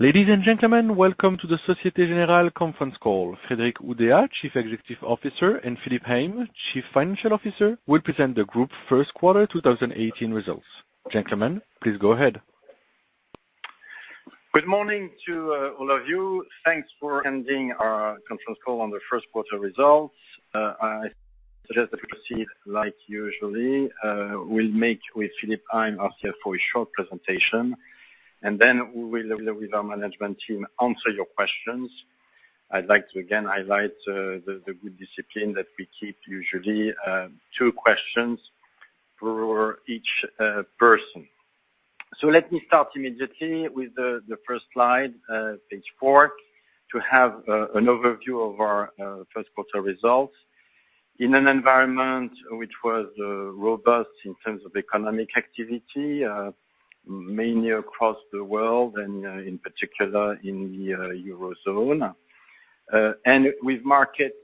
Ladies and gentlemen, welcome to the Société Générale conference call. Frédéric Oudéa, Chief Executive Officer, and Philippe Heim, Chief Financial Officer, will present the group's first quarter 2018 results. Gentlemen, please go ahead. Good morning to all of you. Thanks for attending our conference call on the first quarter results. I suggest that we proceed like usual. We will meet with Philippe Heim, our CFO, for a short presentation, and then we will, with our management team, answer your questions. I would like to again highlight the good discipline that we keep usually, two questions for each person. Let me start immediately with the first slide, page four, to have an overview of our first quarter results. In an environment which was robust in terms of economic activity, mainly across the world and in particular in the Eurozone. With market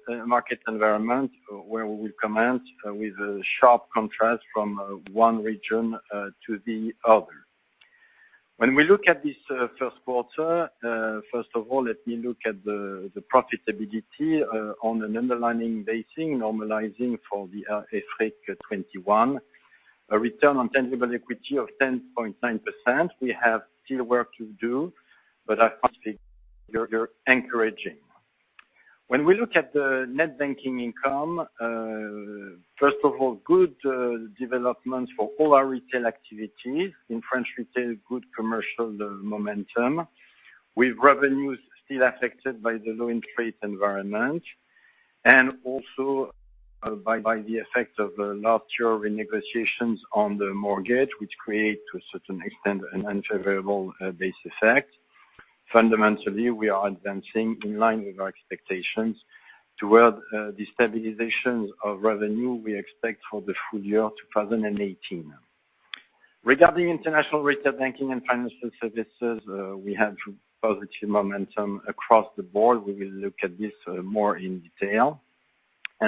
environment, where we comment with a sharp contrast from one region to the other. When we look at this first quarter, first of all, let me look at the profitability on an underlying basis, normalizing for the IFRIC 21, a return on tangible equity of 10.9%. We have still work to do, but I think we are encouraging. When we look at the net banking income, first of all, good developments for all our retail activities. In French retail, good commercial momentum, with revenues still affected by the low interest environment, and also by the effect of last year's renegotiations on the mortgage, which create to a certain extent an unfavorable base effect. Fundamentally, we are advancing in line with our expectations toward the stabilization of revenue we expect for the full year 2018. Regarding International Retail Banking and Financial Services, we have positive momentum across the board. We will look at this more in detail.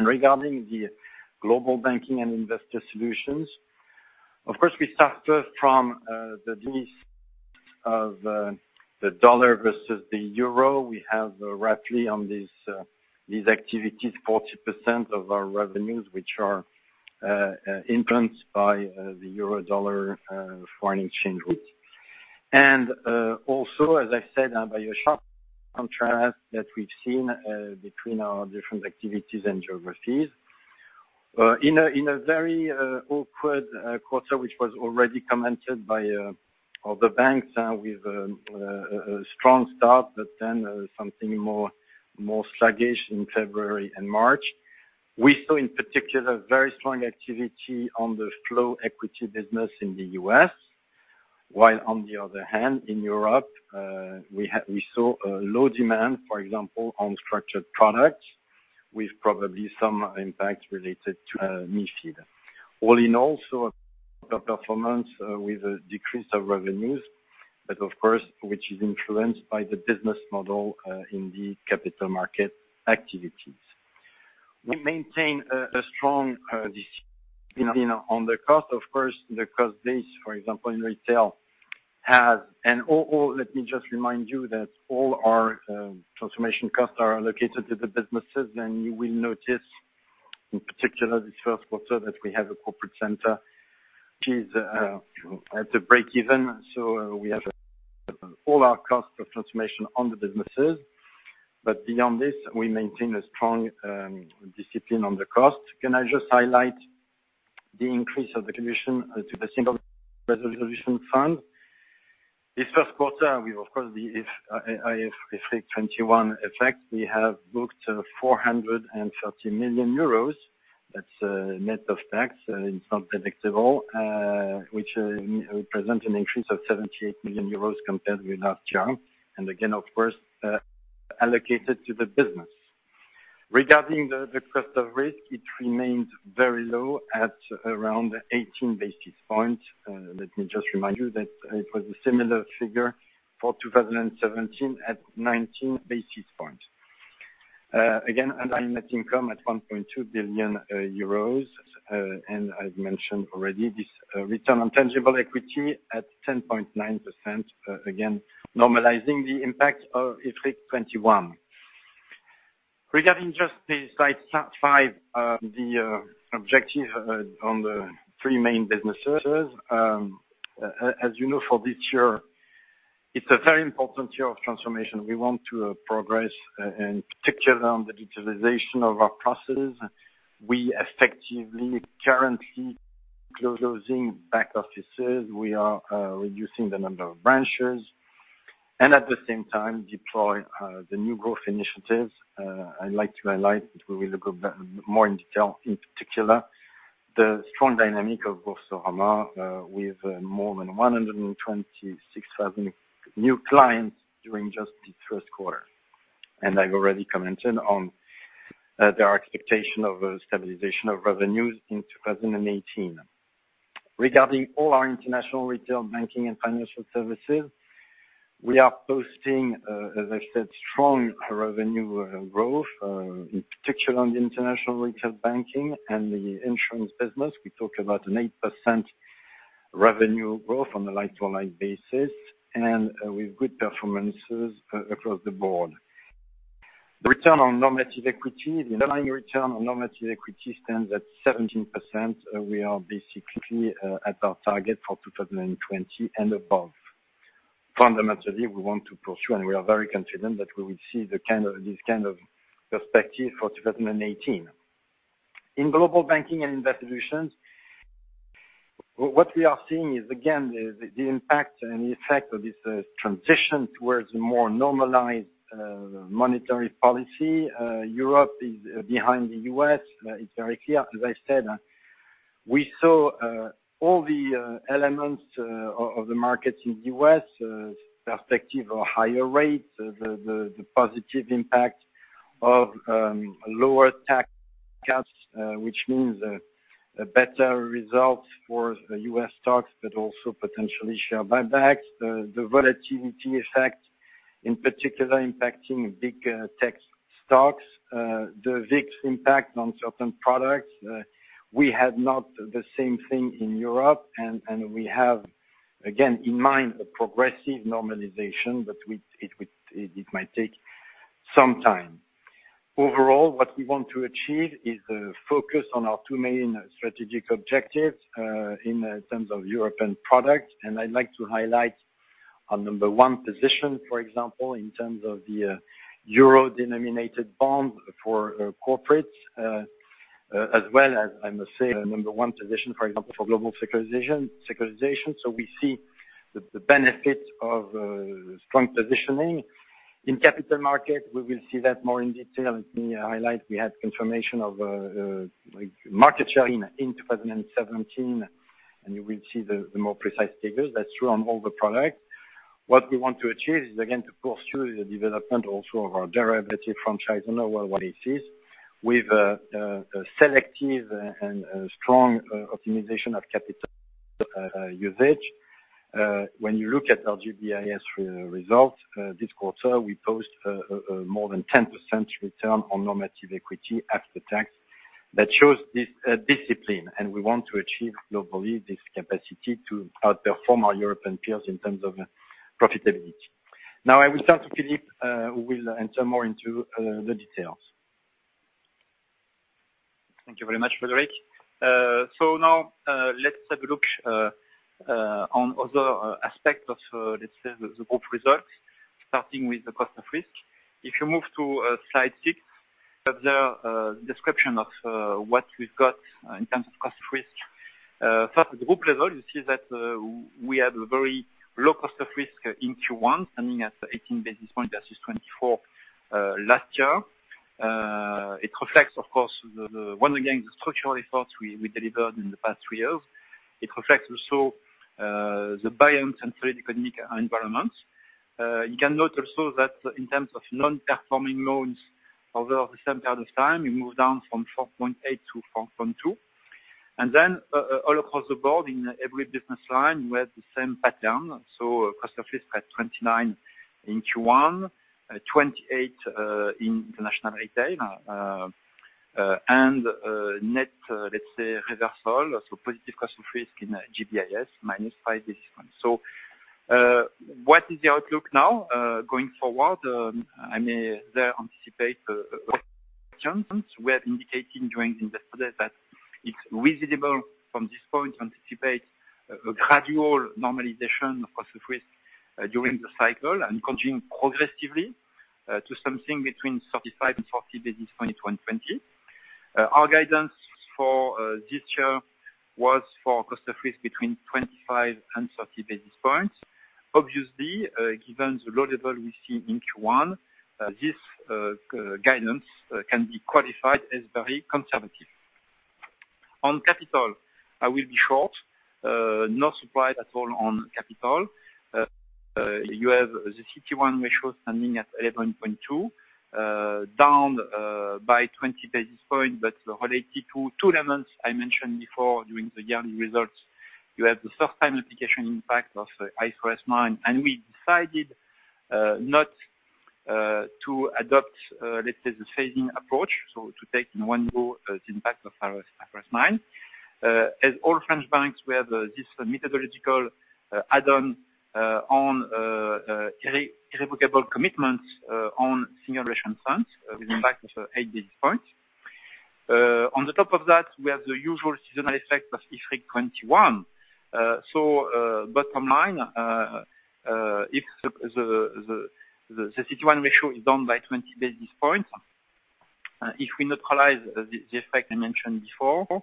Regarding the Global Banking and Investor Solutions, of course, we suffer from the weakness of the dollar versus the euro. We have roughly on these activities, 40% of our revenues, which are influenced by the euro-dollar foreign exchange rate. Also, as I said, by a sharp contrast that we have seen between our different activities and geographies. In a very awkward quarter, which was already commented by other banks, with a strong start, but then something more sluggish in February and March. We saw in particular, very strong activity on the flow equity business in the U.S., while on the other hand, in Europe, we saw a low demand, for example, on structured products, with probably some impact related to MiFID. All in all, a performance with a decrease of revenues, but of course, which is influenced by the business model in the capital market activities. We maintain a strong discipline on the cost. Of course, the cost base, for example, in retail has. Let me just remind you that all our transformation costs are allocated to the businesses, and you will notice, in particular this first quarter, that we have a corporate center. It's at a break-even, we have all our cost of transformation on the businesses. Beyond this, we maintain a strong discipline on the cost. Can I just highlight the increase of the commission to the Single Resolution Fund? This first quarter, with, of course, the IFRIC 21 effect, we have booked 430 million euros. That's net of tax, it's not deductible, which represents an increase of 78 million euros compared with last year. Of course, allocated to the business. Regarding the cost of risk, it remains very low at around 18 basis points. Let me just remind you that it was a similar figure for 2017 at 19 basis points. Underlying net income at 1.2 billion euros. I've mentioned already this return on tangible equity at 10.9%, normalizing the impact of IFRIC 21. Regarding just the slide chart five, the objective on the three main businesses. For this year, it's a very important year of transformation. We want to progress, in particular on the digitalization of our processes. We are effectively currently closing back offices. We are reducing the number of branches, and at the same time deploy the new growth initiatives. I'd like to highlight, which we will look at more in detail, in particular, the strong dynamic of Boursorama, with more than 126,000 new clients during just the first quarter. I've already commented on their expectation of a stabilization of revenues in 2018. Regarding all our International Retail Banking and Financial Services, we are posting, as I said, strong revenue growth, in particular on the international retail banking and the insurance business. We talk about an 8% revenue growth on a like-to-like basis and with good performances across the board. The return on normative equity, the underlying return on normative equity stands at 17%, we are basically at our target for 2020 and above. We want to pursue, we are very confident that we will see this kind of perspective for 2018. In global banking and investor solutions, what we are seeing is the impact and the effect of this transition towards a more normalized monetary policy. Europe is behind the U.S. It's very clear, as I said. We saw all the elements of the markets in the U.S., perspective of higher rates, the positive impact of lower tax cuts, which means a better result for U.S. stocks, also potentially share buybacks. The volatility effect, in particular, impacting big tech stocks, the VIX impact on certain products. We have not the same thing in Europe, we have in mind, a progressive normalization, it might take some time. What we want to achieve is a focus on our two main strategic objectives, in terms of European product. I'd like to highlight our number one position, for example, in terms of the euro-denominated bond for corporates, as well as, I must say, our number one position, for example, for global securitization. We see the benefit of strong positioning. In capital market, we will see that more in detail. Let me highlight, we had confirmation of market share in 2017, and you will see the more precise figures. That's true on all the products. What we want to achieve is, again, to pursue the development also of our derivative franchise, and what it is. With a selective and strong optimization of capital usage. When you look at our GBIS results this quarter, we post more than 10% return on normative equity after tax. That shows this discipline, and we want to achieve globally this capacity to outperform our European peers in terms of profitability. I will turn to Philippe, who will enter more into the details. Thank you very much, Frédéric. Let's have a look on other aspects of, let's say, the group results, starting with the cost of risk. If you move to slide six, there is a description of what we've got in terms of cost of risk. First, the group level, you see that we have a very low cost of risk in Q1, ending at 18 basis points versus 24 last year. It reflects, of course, once again, the structural efforts we delivered in the past three years. It reflects also the buoyant and political-economic environment. You can note also that in terms of non-performing loans over the same period of time, we moved down from 4.8 to 4.2. All across the board, in every business line, we have the same pattern. Cost of risk at 29 in Q1, 28 in international retail, and net, let's say, reversal, positive cost of risk in GBIS, minus five basis points. What is the outlook now? Going forward, I may there anticipate questions. We are indicating during the investor day that it's reasonable from this point to anticipate a gradual normalization of cost of risk during the cycle and continuing progressively to something between 35 and 40 basis points in 2020. Our guidance for this year was for cost of risk between 25 and 30 basis points. Obviously, given the low level we see in Q1, this guidance can be qualified as very conservative. On capital, I will be short. No surprise at all on capital. You have the CET1 ratio standing at 11.2, down by 20 basis points, but related to two elements I mentioned before during the yearly results. You have the first-time application impact of IFRS 9, and we decided not to adopt, let's say, the phasing approach, to take in one go the impact of IFRS 9. As all French banks, we have this methodological add-on on irrevocable commitments on Single Resolution Fund with impact of eight basis points. On the top of that, we have the usual seasonal effect of IFRIC 21. Bottom line, if the CET1 ratio is down by 20 basis points, if we neutralize the effect I mentioned before,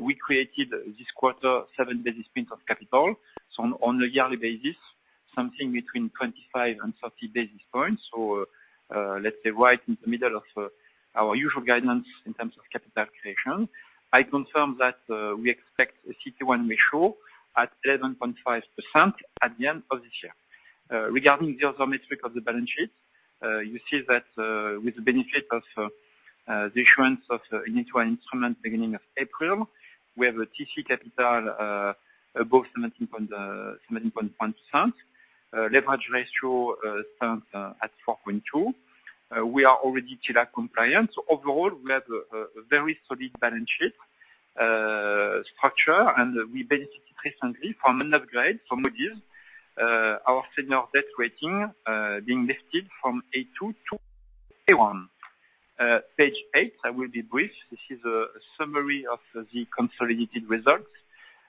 we created this quarter seven basis points of capital. On a yearly basis, something between 25 and 30 basis points, or let's say right in the middle of our usual guidance in terms of capital creation. I confirm that we expect a CET1 ratio at 11.5% at the end of this year. Regarding the other metric of the balance sheet, you see that with the benefit of the issuance of initial instrument beginning of April, we have a Tier 1 capital above 17.1%, leverage ratio stands at 4.2. We are already TLAC compliant. Overall, we have a very solid balance sheet structure, and we benefited recently from an upgrade from Moody's. Our senior debt rating being lifted from A2 to A1. Page eight, I will be brief. This is a summary of the consolidated results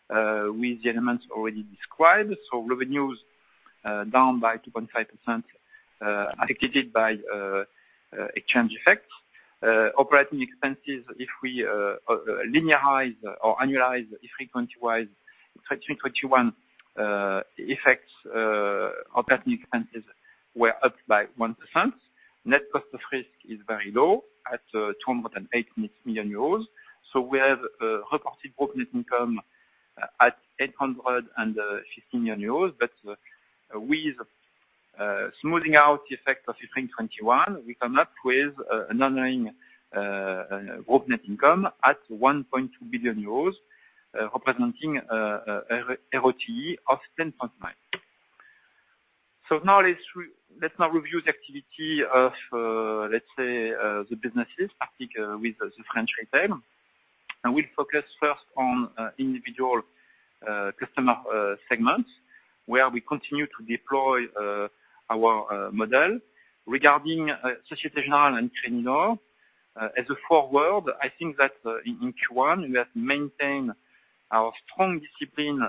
with the elements already described. Revenues down by 2.5%, affected by exchange effects. Operating expenses, if we linearize or annualize, if we [neutralize IFRIC 21 effects], operating expenses were up by 1%. Net cost of risk is very low at 208 million euros. We have a reported group net income at 815 million euros, but with smoothing out the effect of IFRIC 21, we come up with an underlying group net income at 1.2 billion euros, representing a ROTE of 10.9%. Now let's review the activity of the businesses, starting with the French retail, and we'll focus first on individual customer segments, where we continue to deploy our model. Regarding Société Générale and Crédit du Nord, as a foreword, I think that in Q1, we have maintained our strong discipline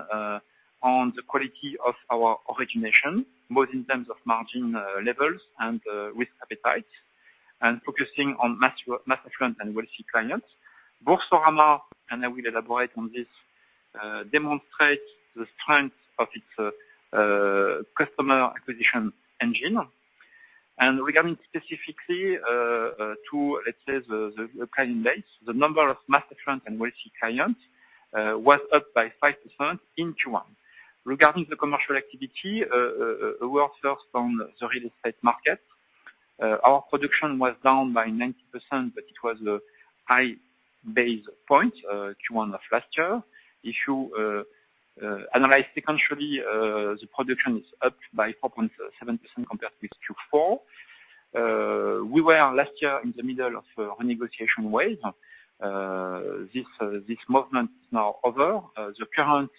on the quality of our origination, both in terms of margin levels and risk appetite, and focusing on mass affluent and wealthy clients. Boursorama, and I will elaborate on this, demonstrates the strength of its customer acquisition engine, and regarding specifically to the client base, the number of mass affluent and wealthy clients was up by 5% in Q1. Regarding the commercial activity, a word first from the real estate market. Our production was down by 19%, but it was a high base point, Q1 of last year. If you analyze sequentially, the production is up by 4.7% compared with Q4. We were, last year, in the middle of a renegotiation wave. This movement is now over. The current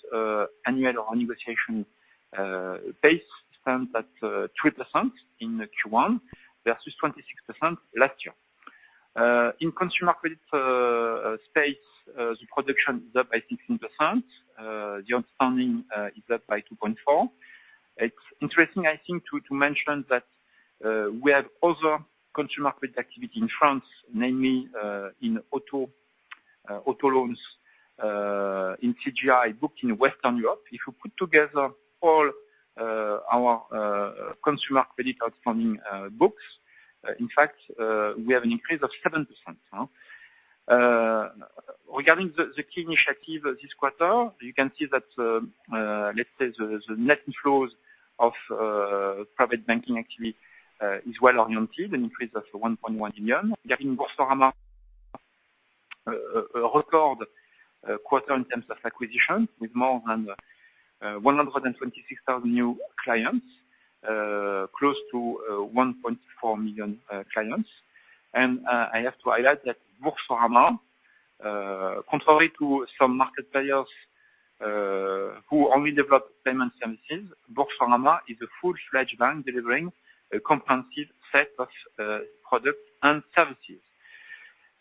annual renegotiation pace stands at 3% in Q1, versus 26% last year. In consumer credit space, the production is up by 16%. The outstanding is up by 2.4%. It's interesting, I think, to mention that we have other consumer credit activity in France, namely in auto loans, in CGI, booked in Western Europe. If you put together all our consumer credit outstanding books, in fact, we have an increase of 7%. Regarding the key initiatives this quarter, you can see that the net inflows of private banking actually is well oriented, an increase of 1.1 million, giving Boursorama a record quarter in terms of acquisition, with more than 126,000 new clients, close to 1.4 million clients. I have to highlight that Boursorama, contrary to some market players who only develop payment services, Boursorama is a full-fledged bank delivering a comprehensive set of products and services.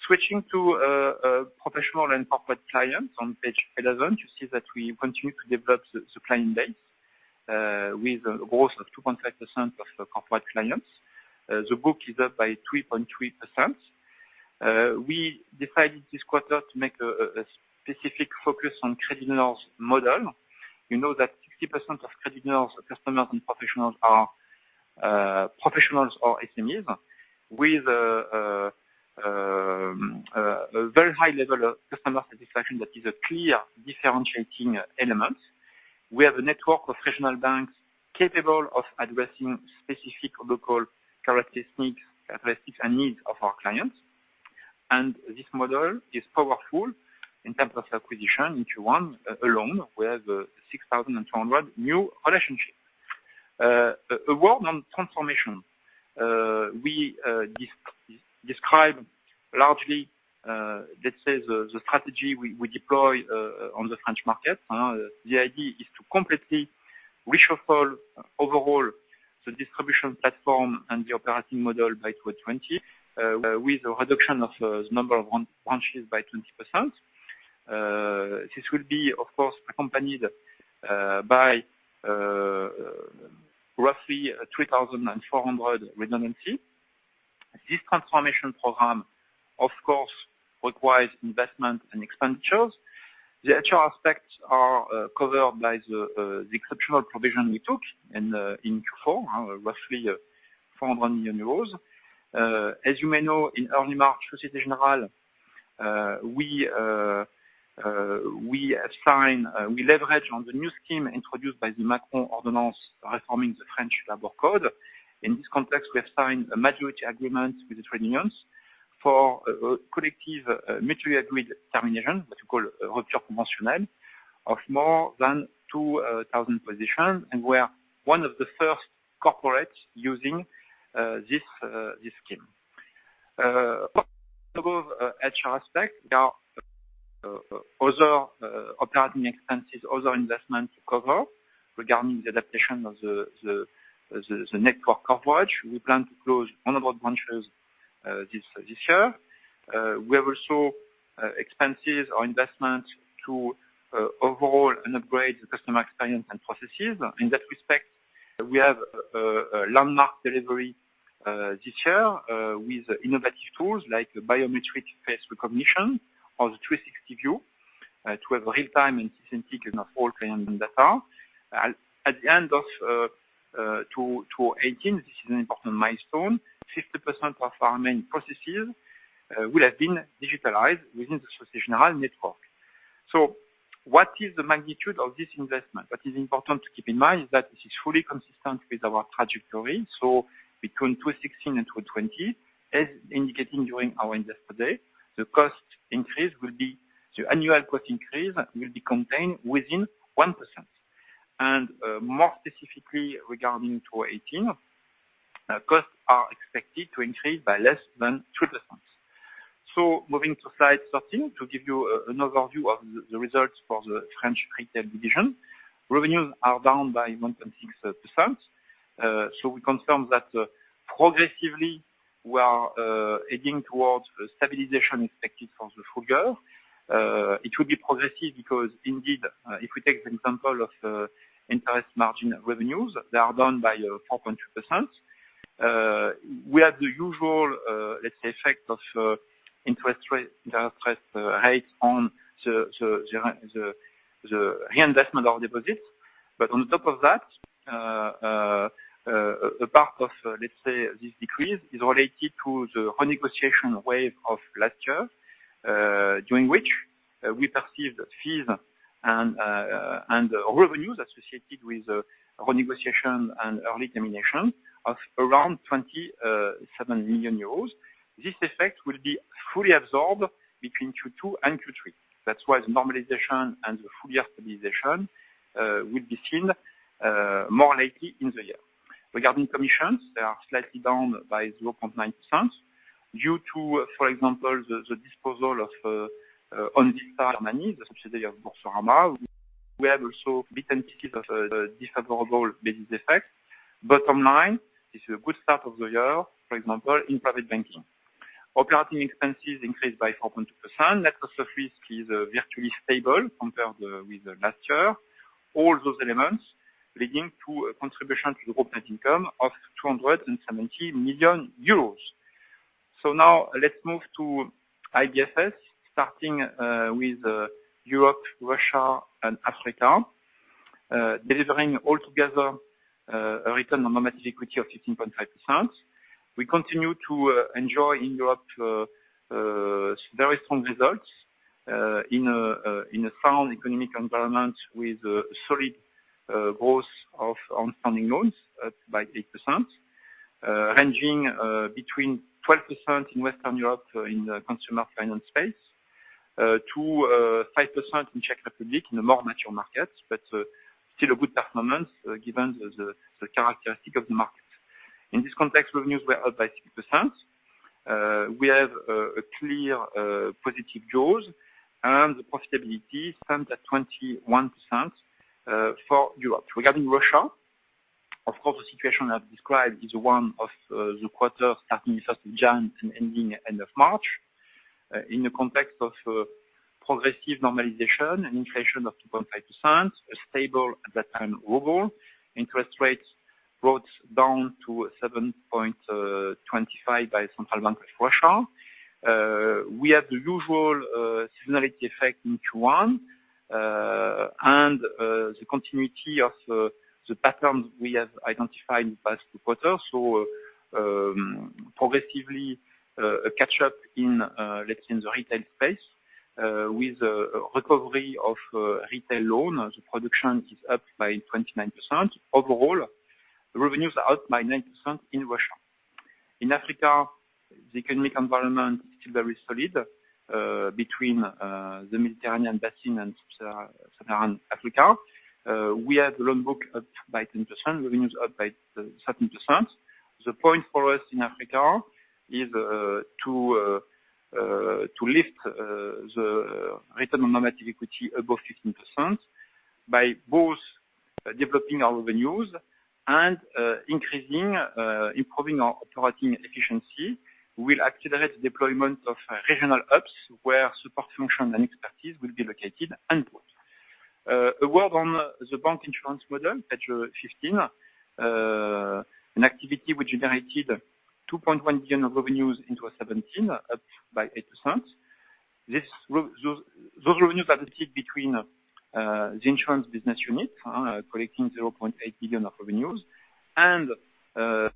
Switching to professional and corporate clients on page 11, you see that we continue to develop the client base with a growth of 2.5% of the corporate clients. The book is up by 3.3%. We decided this quarter to make a specific focus on Crédit du Nord's model. You know that 60% of Crédit Lyonnais customers and professionals are professionals or SMEs with a very high level of customer satisfaction that is a clear differentiating element. We have a network of regional banks capable of addressing specific local characteristics and needs of our clients. This model is powerful in terms of acquisition. In Q1 alone, we have 6,200 new relationships. A word on transformation. We describe largely the strategy we deploy on the French market. The idea is to completely reshuffle overall the distribution platform and the operating model by 2020, with a reduction of the number of branches by 20%. This will be, of course, accompanied by roughly 3,400 redundancies. This transformation program, of course, requires investment and expenditures. The HR aspects are covered by the exceptional provision we took in Q4, roughly 400 million euros. As you may know, in early March, Société Générale, we leverage on the new scheme introduced by the Macron ordinances reforming the French Labor Code. In this context, we have signed a majority agreement with the trade unions for collective mutually agreed termination, what you call rupture conventionnelle. Of more than 2,000 positions, we are one of the first corporates using this scheme. Apart from the HR aspect, there are other operating expenses, other investments to cover regarding the adaptation of the network coverage. We plan to close honorable branches this year. We have also expenses or investments to overhaul and upgrade the customer experience and processes. In that respect, we have a landmark delivery this year with innovative tools like biometric face recognition or the 360 view to have real-time and systematic of all client data. At the end of 2018, this is an important milestone, 50% of our main processes will have been digitalized within the Société Générale network. What is the magnitude of this investment? What is important to keep in mind is that this is fully consistent with our trajectory. Between 2016 and 2020, as indicated during our investor day, the annual cost increase will be contained within 1%. More specifically regarding 2018, costs are expected to increase by less than 3%. Moving to slide 13, to give you an overview of the results for the French retail division. Revenues are down by 1.6%, we confirm that progressively we are heading towards a stabilization expected for the full year. It will be progressive because indeed, if we take the example of interest margin revenues, they are down by 4.2%. We have the usual, let's say, effect of interest rates on the reinvestment of deposits. On top of that, a part of, let's say, this decrease is related to the renegotiation wave of last year, during which we perceived fees and revenues associated with renegotiation and early termination of around 27 million euros. This effect will be fully absorbed between Q2 and Q3. That is why the normalization and the full year stabilization will be seen more likely in the year. Regarding commissions, they are slightly down by 0.9% due to, for example, the disposal of OnVista Germany, the subsidiary of Boursorama. We have also bit and pieces of an unfavorable basis effect. Online is a good start of the year, for example, in private banking. Operating expenses increased by 4.2%. Net cost of risk is virtually stable compared with last year. All those elements leading to a contribution to group net income of 270 million euros. Now let's move to IBFS, starting with Europe, Russia, and Africa, delivering all together a return on normative equity of 15.5%. We continue to enjoy in Europe very strong results, in a sound economic environment with a solid growth of outstanding loans by 8%, ranging between 12% in Western Europe in the consumer finance space, to 5% in Czech Republic in a more mature market, but still a good performance given the characteristic of the market. In this context, revenues were up by 6%. We have a clear positive growth and the profitability stands at 21% for Europe. Regarding Russia, of course, the situation I've described is one of the quarter starting 1st of January and ending end of March. In the context of progressive normalization and inflation of 2.5%, a stable at that time ruble, interest rates brought down to 7.25% by Central Bank of Russia. We have the usual seasonality effect in Q1, and the continuity of the pattern we have identified in the past quarter. Progressively, a catch up in, let's say, in the retail space, with a recovery of retail loan. The production is up by 29%. Overall, the revenues are up by 9% in Russia. In Africa, the economic environment is still very solid between the Mediterranean basin and Sub-Saharan Africa. We have the loan book up by 10%, revenues up by 7%. The point for us in Africa is to lift the return on normative equity above 15% by both developing our revenues and increasing, improving our operating efficiency. We'll accelerate the deployment of regional hubs where support function and expertise will be located and put. A word on the bank insurance model at 15, an activity which generated 2.1 billion of revenues in 2017, up by 8%. Those revenues are split between the insurance business unit, collecting 0.8 billion of revenues and the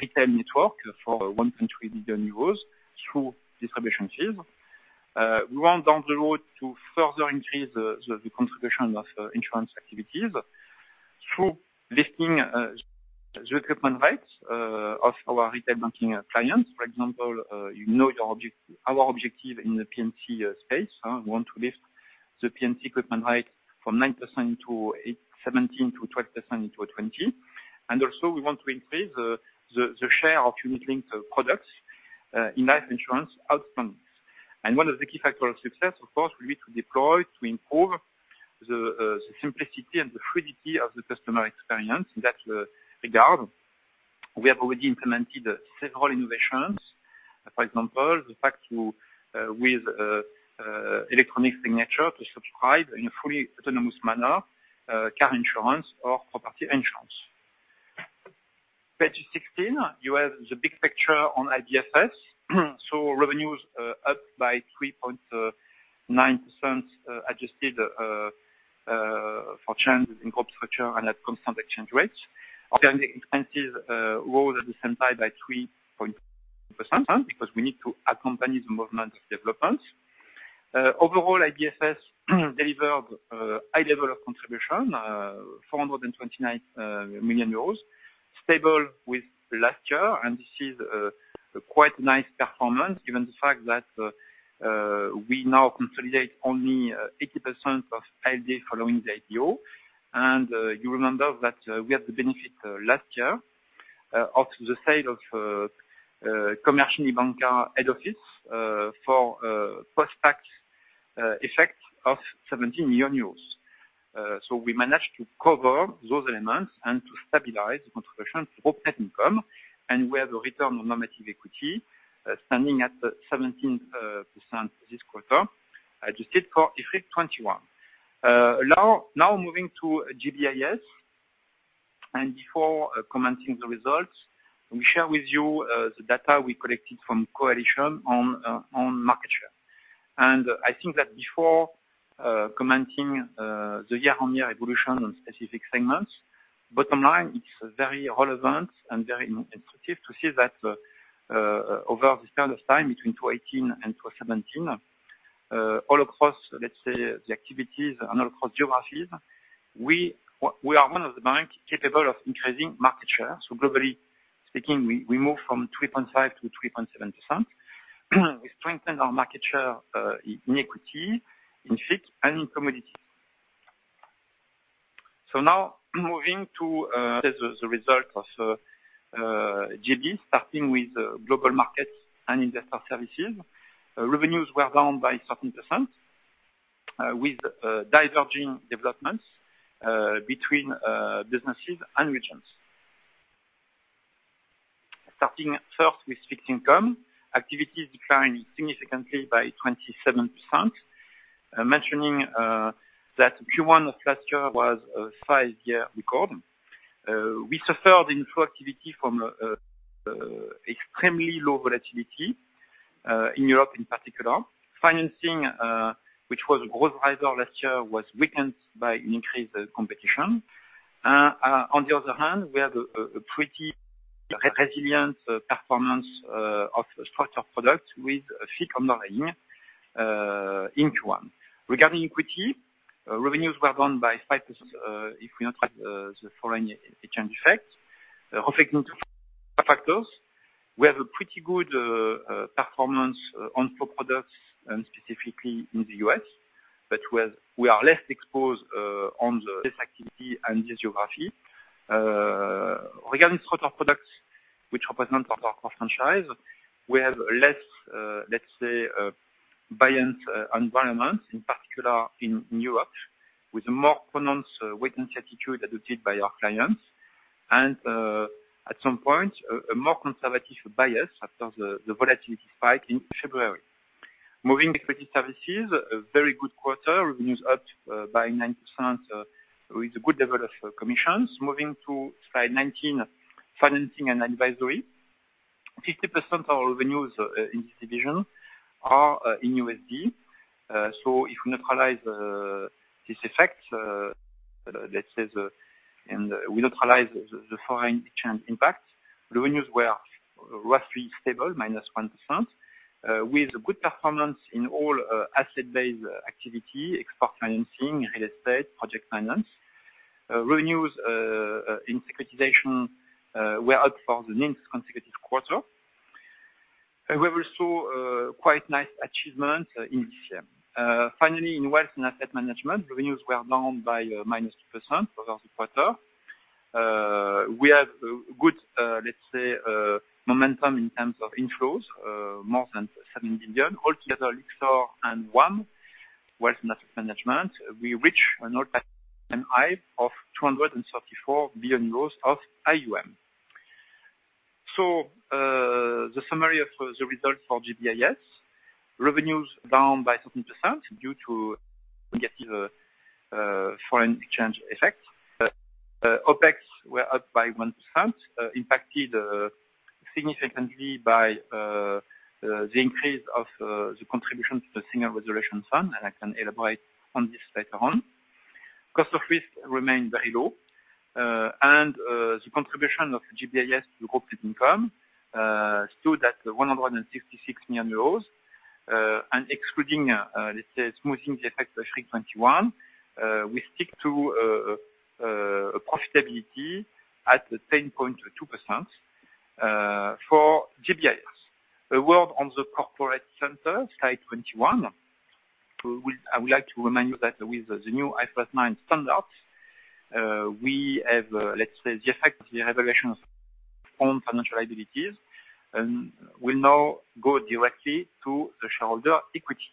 retail network for 1.3 billion euros through distribution fees. We went down the road to further increase the contribution of insurance activities. Through lifting the equipment rates of our retail banking clients. For example, you know our objective in the P&C space. We want to lift the P&C equipment rate from 9% to 12% into 2020. Also, we want to increase the share of unit linked products in life insurance outcomes. One of the key factors of success, of course, will be to deploy, to improve the simplicity and the fluidity of the customer experience. In that regard, we have already implemented several innovations. For example, the fact with electronic signature to subscribe in a fully autonomous manner, car insurance or property insurance. Page 16, you have the big picture on IBFS. Revenues are up by 3.9% adjusted for changes in group structure and at constant exchange rates. Operating expenses rose at the same time by 3.0% because we need to accompany the movement of developments. Overall, IBFS delivered a high level of contribution, 429 million euros, stable with last year, and this is a quite nice performance given the fact that we now consolidate only 80% of ALD following the IPO. You remember that we had the benefit last year of the sale of Commerzbank head office for post-tax effect of 17 million euros. We managed to cover those elements and to stabilize the contribution for group net income, and we have a return on normative equity standing at 17% this quarter, adjusted for IFRS 21. Moving to GBIS, before commenting the results, we share with you the data we collected from Coalition on market share. I think that before commenting the year-on-year evolution on specific segments, bottom line, it's very relevant and very intuitive to see that over this period of time between 2018 and 2017, all across, let's say, the activities and all across geographies, we are one of the banks capable of increasing market share. Globally speaking, we move from 3.5% to 3.7%. We strengthen our market share, in equity, in FIC, and in commodities. Moving to the results of GB, starting with global markets and investor services. Revenues were down by 13%, with diverging developments between businesses and regions. Starting first with fixed income, activities declined significantly by 27%. Mentioning that Q1 of last year was a five-year record. We suffered in flow activity from extremely low volatility, in Europe in particular. Financing, which was a growth driver last year, was weakened by an increased competition. On the other hand, we have a pretty resilient performance of structure products with a FIC underlying in Q1. Regarding equity, revenues were down by 5% if we don't have the foreign exchange effect, reflecting two factors. We have a pretty good performance on flow products, specifically in the U.S., but we are less exposed on this activity and this geography. Regarding structure products, which represent part of our franchise, we have less, let's say, buoyant environment, in particular in Europe, with a more pronounced wait-and-see attitude adopted by our clients, at some point, a more conservative bias after the volatility spike in February. Moving to equity services, a very good quarter, revenues up by 9%, with a good level of commissions. Moving to slide 19, financing and advisory. 50% of revenues in this division are in USD, if we neutralize this effect, let's say, we neutralize the foreign exchange impact, revenues were roughly stable, -1%, with good performance in all asset-based activity, export financing, real estate, project finance. Revenues in securitization were up for the ninth consecutive quarter. We also quite nice achievement in this. Finally, in wealth and asset management, revenues were down by -2% over the quarter. We have good, let's say, momentum in terms of inflows, more than 7 billion, altogether, Lyxor and one wealth management. We reach an all-time high of 234 billion euros of AUM. The summary of the results for GBIS, revenues down by 13% due to negative foreign exchange effect. OPEX were up by 1%, impacted significantly by the increase of the contribution to the Single Resolution Fund, I can elaborate on this later on. Cost of risk remained very low. The contribution of GBIS to group net income stood at 166 million euros. Excluding, let's say, smoothing the effect of IFRIC 21, we stick to a profitability at 10.2% for GBIS. A word on the corporate center, slide 21. I would like to remind you that with the new IFRS 9 standards, we have, let's say, the effect of the revaluation of own financial liabilities, will now go directly to the shareholder equity.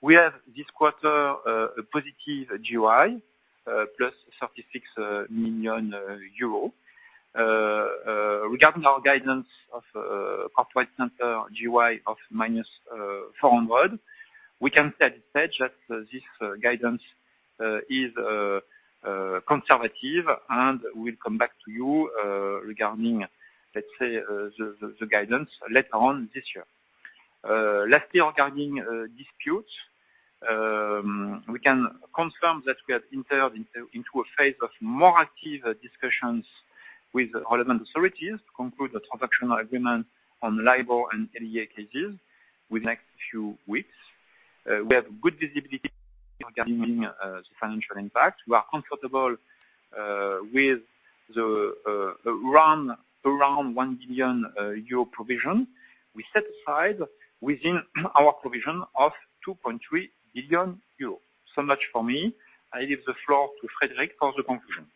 We have this quarter a positive GY, +36 million euro. Regarding our guidance of corporate center GOI of minus 400, we can say that this guidance is conservative and we'll come back to you regarding, let's say, the guidance later on this year. Lastly, regarding disputes, we can confirm that we have entered into a phase of more active discussions with relevant authorities to conclude the transactional agreement on LIBOR and LIA cases with next few weeks. We have good visibility regarding the financial impact. We are comfortable with the around 1 billion euro provision we set aside within our provision of 2.3 billion euro. So much for me. I leave the floor to Frédéric for the conclusion.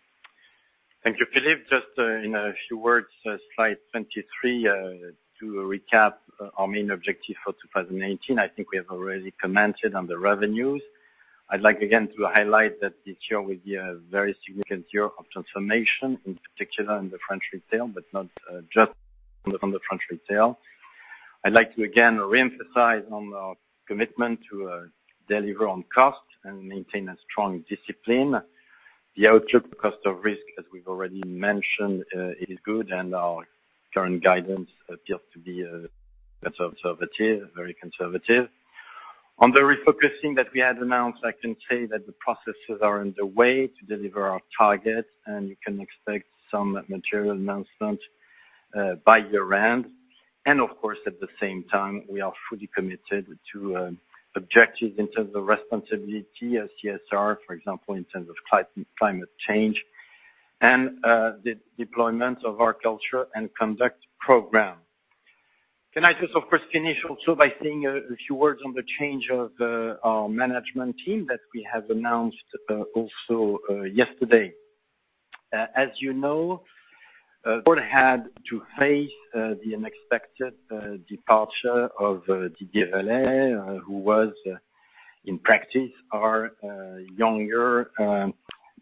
Thank you, Philippe. Just in a few words, slide 23, to recap our main objective for 2018. I think we have already commented on the revenues. I'd like again to highlight that this year will be a very significant year of transformation, in particular in the French Retail, but not just on the French Retail. I'd like to again reemphasize on our commitment to deliver on cost and maintain a strong discipline. The outlook cost of risk, as we've already mentioned, it is good, and our current guidance appears to be conservative, very conservative. On the refocusing that we had announced, I can say that the processes are underway to deliver our targets, and you can expect some material announcement by year-end. Of course, at the same time, we are fully committed to objectives in terms of responsibility as CSR, for example, in terms of climate change and the deployment of our culture and conduct program. Can I just, of course, finish also by saying a few words on the change of our management team that we have announced also yesterday. As you know, the board had to face the unexpected departure of Didier Valet, who was, in practice, our younger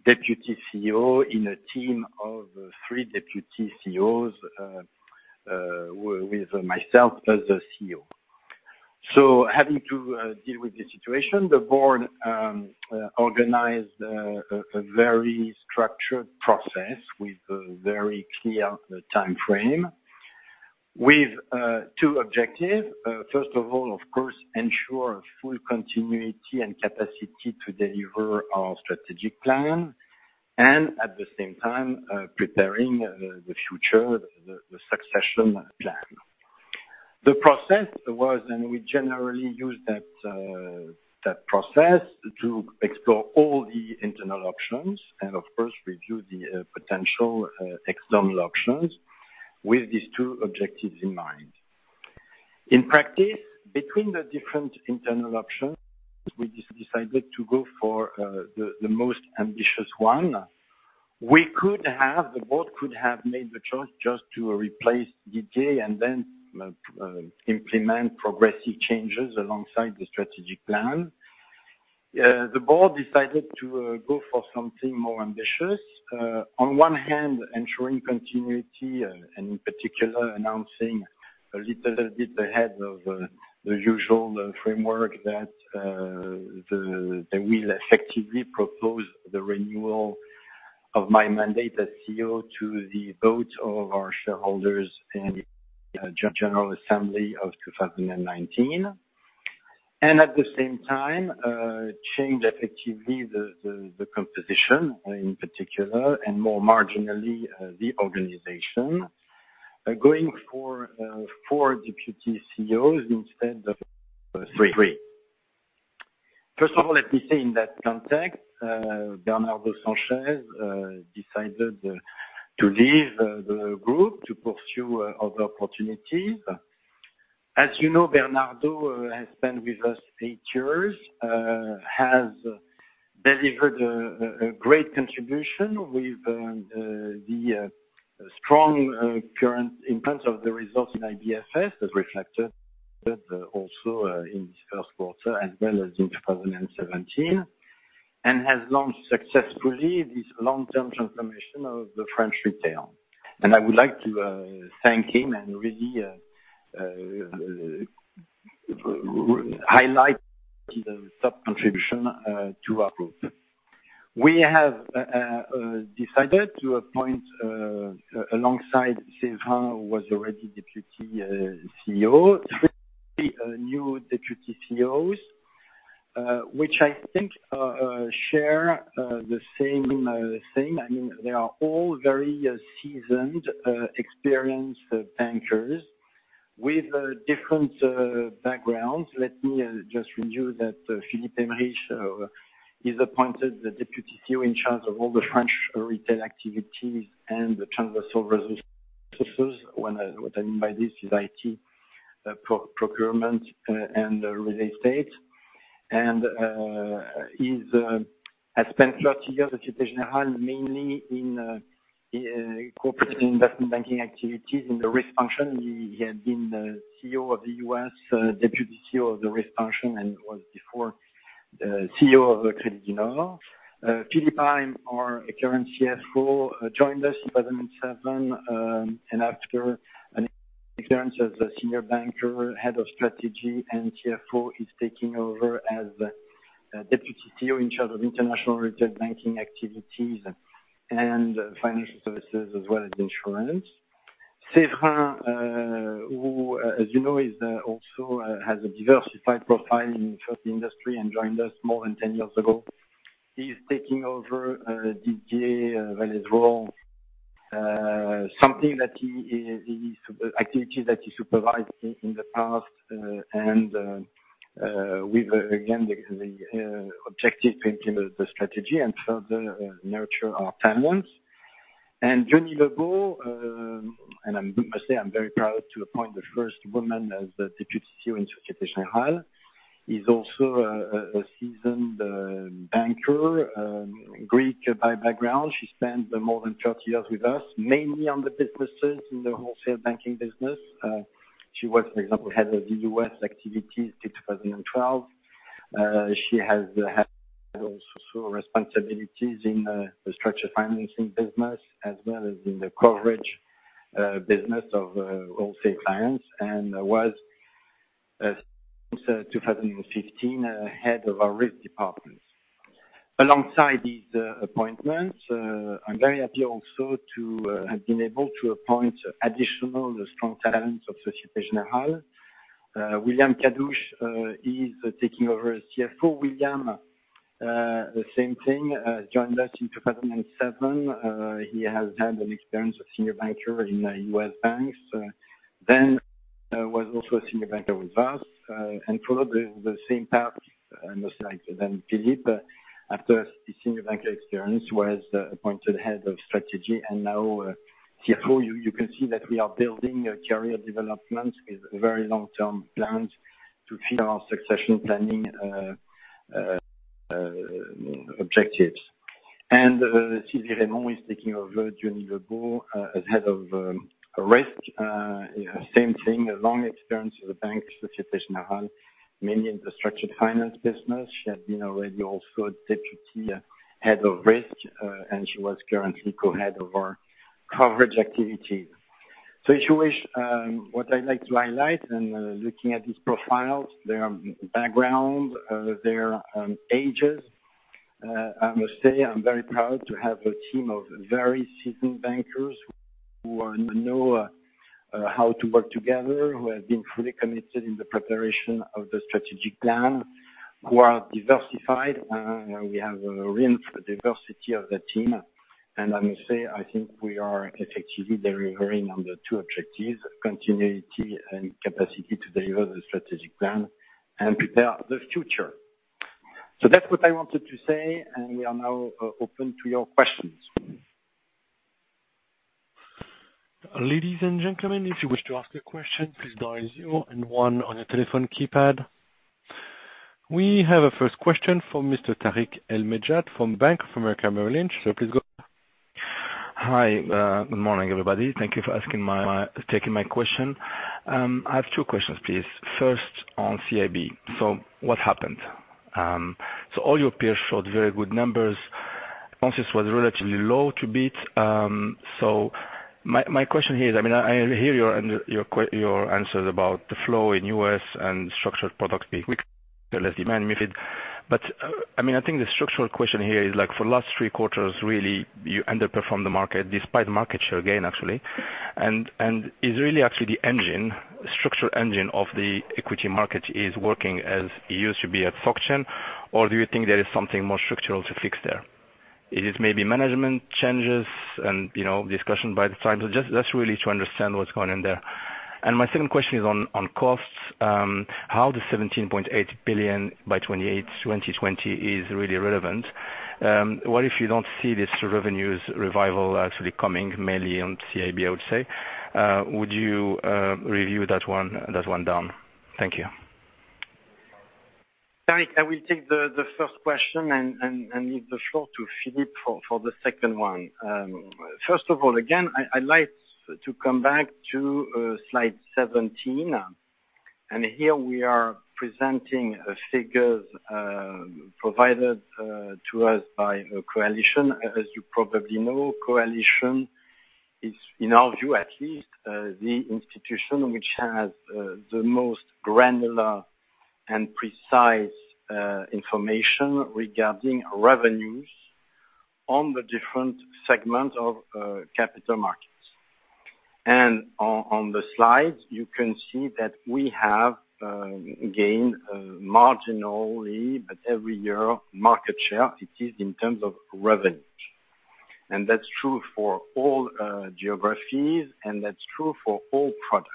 Deputy CEO in a team of three Deputy CEOs, with myself as the CEO. Having to deal with this situation, the board organized a very structured process with a very clear timeframe, with two objectives. First of all, of course, ensure full continuity and capacity to deliver our strategic plan, and at the same time, preparing the future, the succession plan. We generally use that process to explore all the internal options, and of course, review the potential external options with these two objectives in mind. In practice, between the different internal options, we decided to go for the most ambitious one. The board could have made the choice just to replace Didier and then implement progressive changes alongside the strategic plan. The board decided to go for something more ambitious. On one hand, ensuring continuity, and in particular, announcing a little bit ahead of the usual framework that they will effectively propose the renewal of my mandate as CEO to the vote of our shareholders in the general assembly of 2019. At the same time, change effectively the composition, in particular, and more marginally, the organization, going for four Deputy CEOs instead of three. First of all, let me say in that context, Bernardo Sanchez decided to leave the group to pursue other opportunities. As you know, Bernardo has been with us eight years, has delivered a great contribution with the strong current impact of the results in IBFS as reflected also in this first quarter as well as in 2017, has launched successfully this long-term transformation of the French retail. I would like to thank him and really highlight his top contribution to our group. We have decided to appoint, alongside Séverin, who was already Deputy CEO, three new Deputy CEOs, which I think share the same thing. They are all very seasoned, experienced bankers with different backgrounds. Let me just review that Philippe Aymerich is appointed the Deputy CEO in charge of all the French retail activities and the transversal resources. What I mean by this is IT, procurement, and real estate. He has spent 30 years at Société Générale, mainly in corporate investment banking activities in the risk function. He had been the CEO of the U.S., Deputy CEO of the risk function, and was before CEO of the Crédit du Nord. Philippe Heim, our current CFO, joined us in 2007, and after an experience as a senior banker, head of strategy, and CFO, he's taking over as Deputy CEO in charge of international retail banking activities and financial services as well as insurance. Séverin, who as you know, also has a diversified profile in the industry and joined us more than 10 years ago. He is taking over Didier Valet's role, activities that he supervised in the past and with, again, the objective to implement the strategy and further nurture our talents. Diony Lebot, and I must say, I'm very proud to appoint the first woman as the Deputy CEO in Société Générale, is also a seasoned banker, Greek by background. She spent more than 30 years with us, mainly on the businesses in the wholesale banking business. She was, for example, head of the U.S. activities till 2012. She has had also responsibilities in the structured financing business as well as in the coverage business of wholesale clients, and was, since 2015, head of our risk department. Alongside these appointments, I'm very happy also to have been able to appoint additional strong talents of Société Générale. William Kadouch is taking over as CFO. William, the same thing, joined us in 2007. He has had an experience of senior banker in U.S. banks, then was also a senior banker with us, and followed the same path, I must say, than Philippe. After his senior banker experience, was appointed head of strategy, and now CFO. You can see that we are building a career development with very long-term plans to feed our succession planning objectives. Sylvie Rémond is taking over Diony Lebot as head of risk. Same thing, a long experience with the bank, Société Générale, mainly in the structured finance business. She had been already also Deputy Head of Risk, and she was currently Co-Head of our coverage activity. If you wish, what I'd like to highlight, and looking at these profiles, their background, their ages, I must say, I'm very proud to have a team of very seasoned bankers who know how to work together, who have been fully committed in the preparation of the strategic plan, who are diversified. We have reinforced the diversity of the team, I must say, I think we are effectively delivering on the two objectives, continuity and capacity to deliver the strategic plan and prepare the future. That's what I wanted to say, and we are now open to your questions. Ladies and gentlemen, if you wish to ask a question, please dial zero and one on your telephone keypad. We have a first question from Mr. Tarik El Mejjad from Bank of America Merrill Lynch. Please go Hi. Good morning, everybody. Thank you for taking my question. I have two questions, please. First, on CIB. What happened? All your peers showed very good numbers. Consensus was relatively low to beat. My question here is, I hear your answers about the flow in U.S. and structured products being weaker, less demand. But I think the structural question here is, for the last three quarters, really, you underperformed the market despite market share gain, actually. Is really actually the structural engine of the equity market is working as it used to be at function? Or do you think there is something more structural to fix there? It is maybe management changes and discussion by the time, just really to understand what's going on there. My second question is on costs. How the 17.8 billion by 2020 is really relevant? What if you don't see this revenues revival actually coming, mainly on CIB, I would say? Would you review that one down? Thank you. Tarik, I will take the first question and leave the floor to Philippe for the second one. First of all, again, I'd like to come back to slide 17. Here, we are presenting figures provided to us by Coalition. As you probably know, Coalition is, in our view at least, the institution which has the most granular and precise information regarding revenues on the different segments of capital markets. On the slides, you can see that we have gained marginally, but every year, market share, it is in terms of revenue. That's true for all geographies. That's true for all products.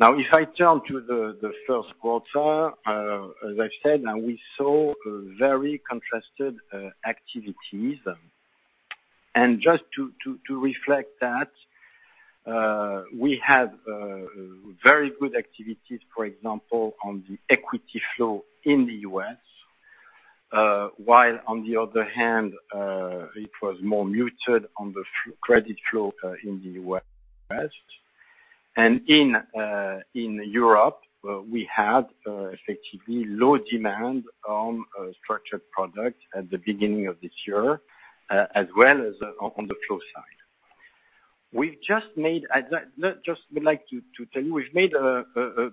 If I turn to the first quarter, as I've said, now we saw very contrasted activities. Just to reflect that, we had very good activities, for example, on the equity flow in the U.S., while on the other hand, it was more muted on the credit flow in the U.S. In Europe, we had effectively low demand on structured products at the beginning of this year, as well as on the flow side. I just would like to tell you, we've made a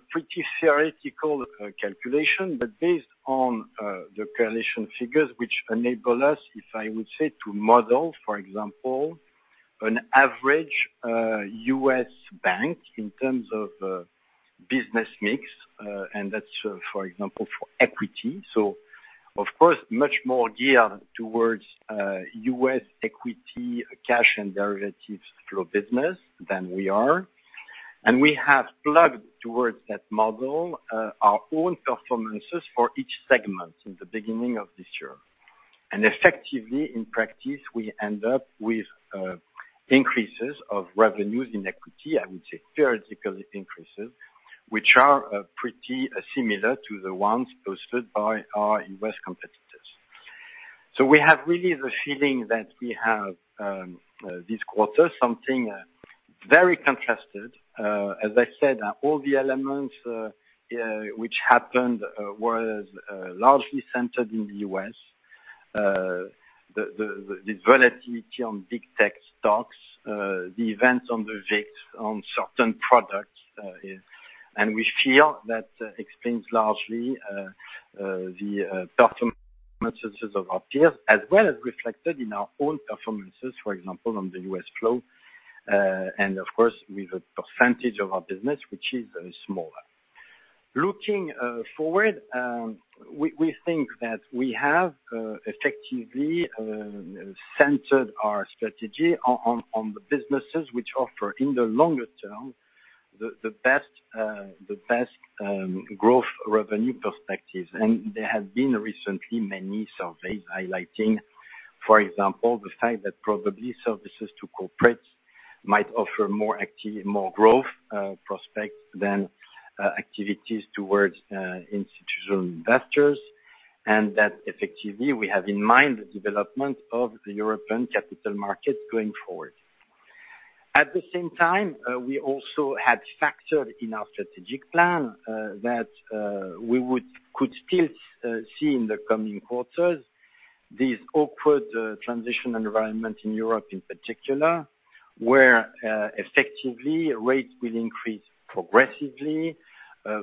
pretty theoretical calculation, but based on the Coalition figures, which enable us, if I would say, to model, for example, an average U.S. bank in terms of business mix, and that's, for example, for equity. Of course, much more geared towards U.S. equity cash and derivatives flow business than we are. We have plugged towards that model our own performances for each segment in the beginning of this year. Effectively, in practice, we end up with increases of revenues in equity, I would say theoretical increases, which are pretty similar to the ones posted by our U.S. competitors. We have really the feeling that we have, this quarter, something very contrasted. As I said, all the elements which happened were largely centered in the U.S., the volatility on big tech stocks, the events on the VIX, on certain products. We feel that explains largely the performances of our peers, as well as reflected in our own performances, for example, on the U.S. flow. Of course, with a percentage of our business, which is smaller. Looking forward, we think that we have effectively centered our strategy on the businesses which offer, in the longer term, the best growth revenue perspective. There have been recently many surveys highlighting, for example, the fact that probably services to corporates might offer more growth prospects than activities towards institutional investors. That effectively, we have in mind the development of the European capital markets going forward. At the same time, we also had factored in our strategic plan that we could still see in the coming quarters this awkward transition environment in Europe in particular, where effectively, rates will increase progressively,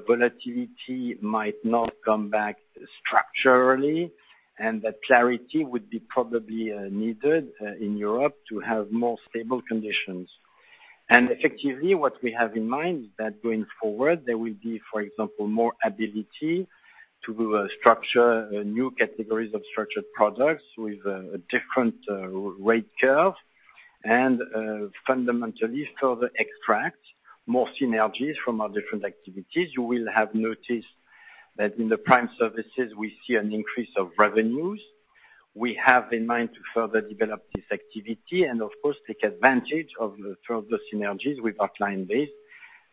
volatility might not come back structurally. That clarity would be probably needed in Europe to have more stable conditions. Effectively, what we have in mind is that going forward, there will be, for example, more ability to structure new categories of structured products with a different rate curve and fundamentally further extract more synergies from our different activities. You will have noticed that in the prime services, we see an increase of revenues. We have in mind to further develop this activity and of course, take advantage of further synergies with our client base.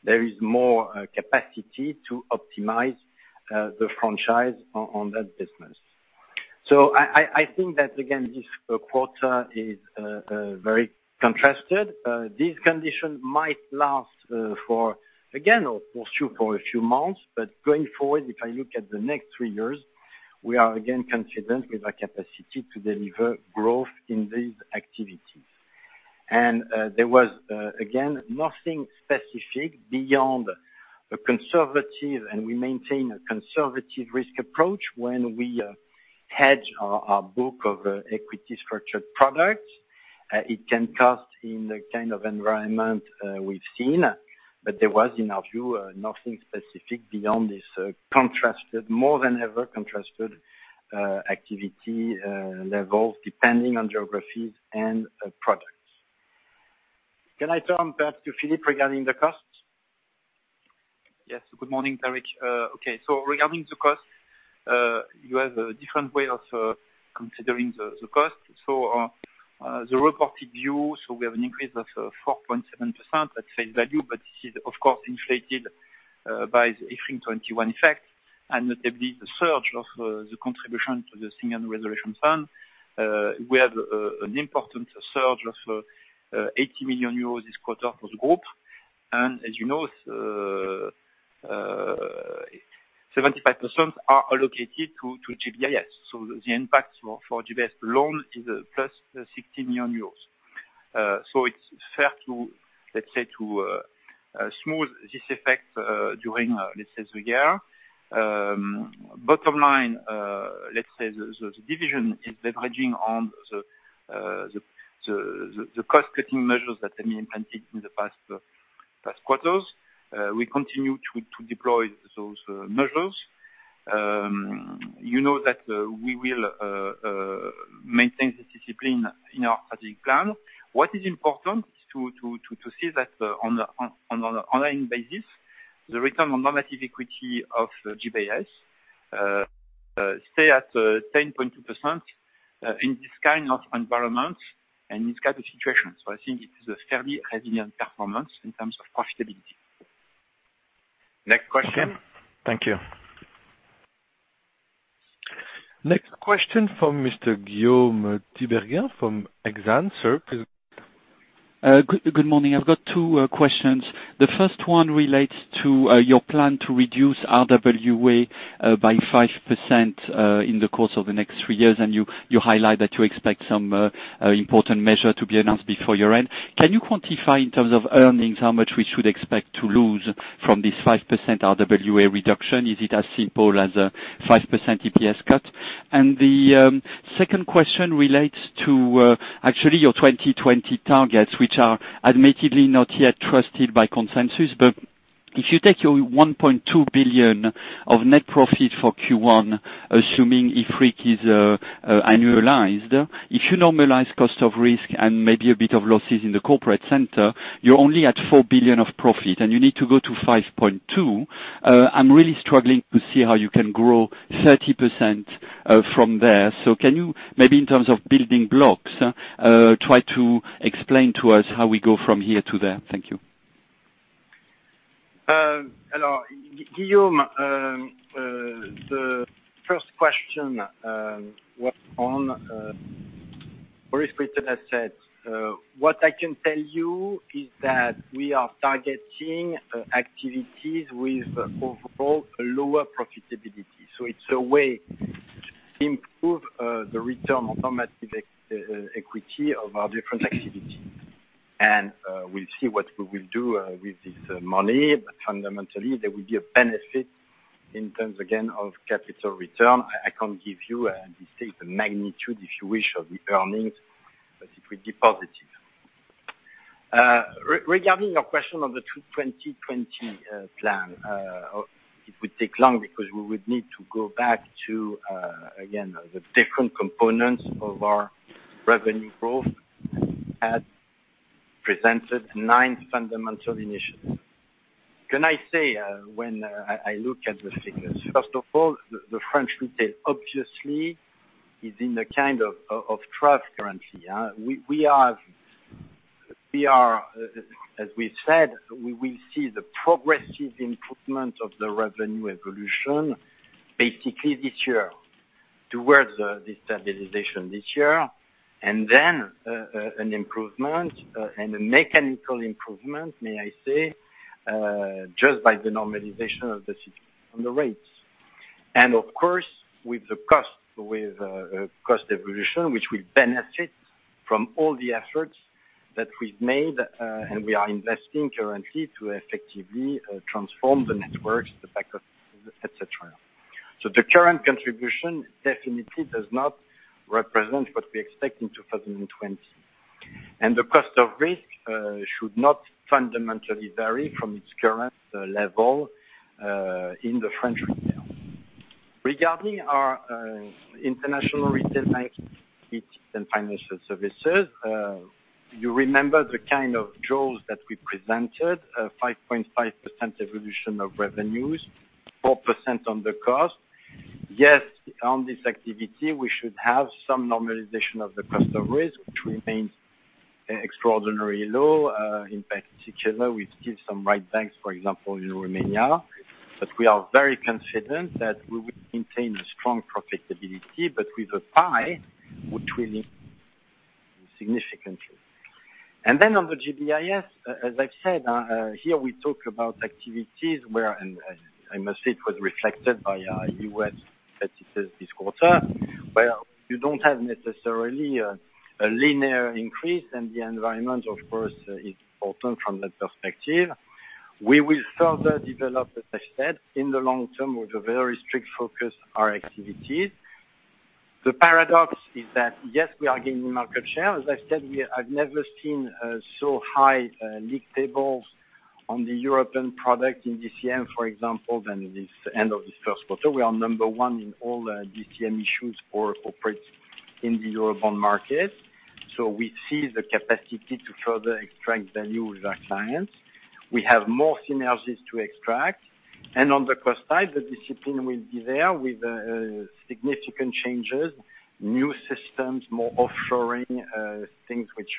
There is more capacity to optimize the franchise on that business. I think that again, this quarter is very contrasted. These conditions might last for, again, for a few months. Going forward, if I look at the next three years, we are again confident with our capacity to deliver growth in these activities. There was, again, nothing specific beyond a conservative, and we maintain a conservative risk approach when we hedge our book of equity structured products. It can cost in the kind of environment we've seen. There was, in our view, nothing specific beyond this contrasted, more than ever contrasted activity levels, depending on geographies and products. Can I turn back to Philippe regarding the costs? Yes. Good morning, Tarik. Regarding the cost, you have a different way of considering the cost. The reported view, we have an increase of 4.7% at face value, but this is of course inflated by the IFRIC 21 effect and notably the surge of the contribution to the Single Resolution Fund. We have an important surge of 80 million euros this quarter for the group. As you know, 75% are allocated to GBIS. The impact for GBIS alone is + 60 million euros. It's fair to, let's say to smooth this effect during, let's say, the year. Bottom line, let's say the division is leveraging on the cost-cutting measures that have been implemented in the past quarters. We continue to deploy those measures. You know that we will maintain the discipline in our strategic plan. What is important is to see that on an online basis, the return on normative equity of GBIS stay at 10.2% in this kind of environment and this kind of situation. I think it is a fairly resilient performance in terms of profitability. Next question. Okay, thank you. Next question from Mr. Guillaume Tiberghien from Exane. Sir. Good morning. I've got two questions. The first one relates to your plan to reduce RWA by 5% in the course of the next three years. You highlight that you expect some important measure to be announced before year-end. Can you quantify in terms of earnings, how much we should expect to lose from this 5% RWA reduction? Is it as simple as a 5% EPS cut? The second question relates to actually your 2020 targets, which are admittedly not yet trusted by consensus. If you take your 1.2 billion of net profit for Q1, assuming IFRIC is annualized. If you normalize cost of risk and maybe a bit of losses in the corporate center, you're only at 4 billion of profit, and you need to go to 5.2 billion. I'm really struggling to see how you can grow 30% from there. Can you, maybe in terms of building blocks, try to explain to us how we go from here to there? Thank you. Guillaume, the first question was on risk-weighted assets. What I can tell you is that we are targeting activities with overall lower profitability. It's a way to improve the return on equity of our different activities. We'll see what we will do with this money. Fundamentally, there will be a benefit in terms, again, of capital return. I can't give you, as you said, the magnitude, if you wish, of the earnings, but it will be positive. Regarding your question on the 2020 plan, it would take long because we would need to go back to, again, the different components of our revenue growth. We had presented nine fundamental initiatives. Can I say, when I look at the figures, first of all, the French retail, obviously, is in a kind of trough currently. As we've said, we will see the progressive improvement of the revenue evolution, basically this year, towards the stabilization this year. Then an improvement, and a mechanical improvement, may I say, just by the normalization of the situation on the rates. Of course, with the cost evolution, which will benefit from all the efforts that we've made, and we are investing currently to effectively transform the networks, the back office, et cetera. The current contribution definitely does not represent what we expect in 2020. The cost of risk should not fundamentally vary from its current level in the French retail. Regarding our International Retail Banking fees and financial services, you remember the kind of jaws that we presented, 5.5% evolution of revenues, 4% on the cost. On this activity, we should have some normalization of the cost of risk, which remains extraordinarily low. In fact, together, we've seen some write-backs, for example, in Romania. We are very confident that we will maintain a strong profitability, but with a pie, which will be significantly. Then on the GBIS, as I've said, here we talk about activities where, and I must say it was reflected by our U.S. statistics this quarter, where you don't have necessarily a linear increase, and the environment, of course, is important from that perspective. We will further develop, as I've said, in the long term with a very strict focus our activities. The paradox is that, yes, we are gaining market share. As I've said, I've never seen so high league tables on the European product in DCM, for example, than in this end of this first quarter. We are number 1 in all DCM issues for corporates in the Eurobond market. We see the capacity to further extract value with our clients. We have more synergies to extract. On the cost side, the discipline will be there with significant changes, new systems, more offshoring, things which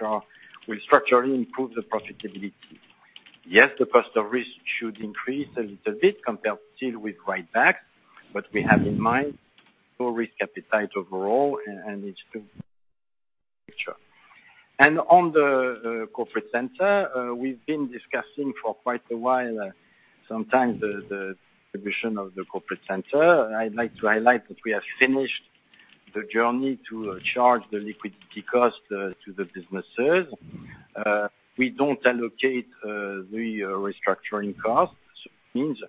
will structurally improve the profitability. The cost of risk should increase a little bit compared still with write-backs, but we have in mind low risk appetite overall, and it's the picture. On the corporate center, we've been discussing for quite a while, sometimes the distribution of the corporate center. I'd like to highlight that we have finished The journey to charge the liquidity cost to the businesses. We don't allocate the restructuring costs, so it means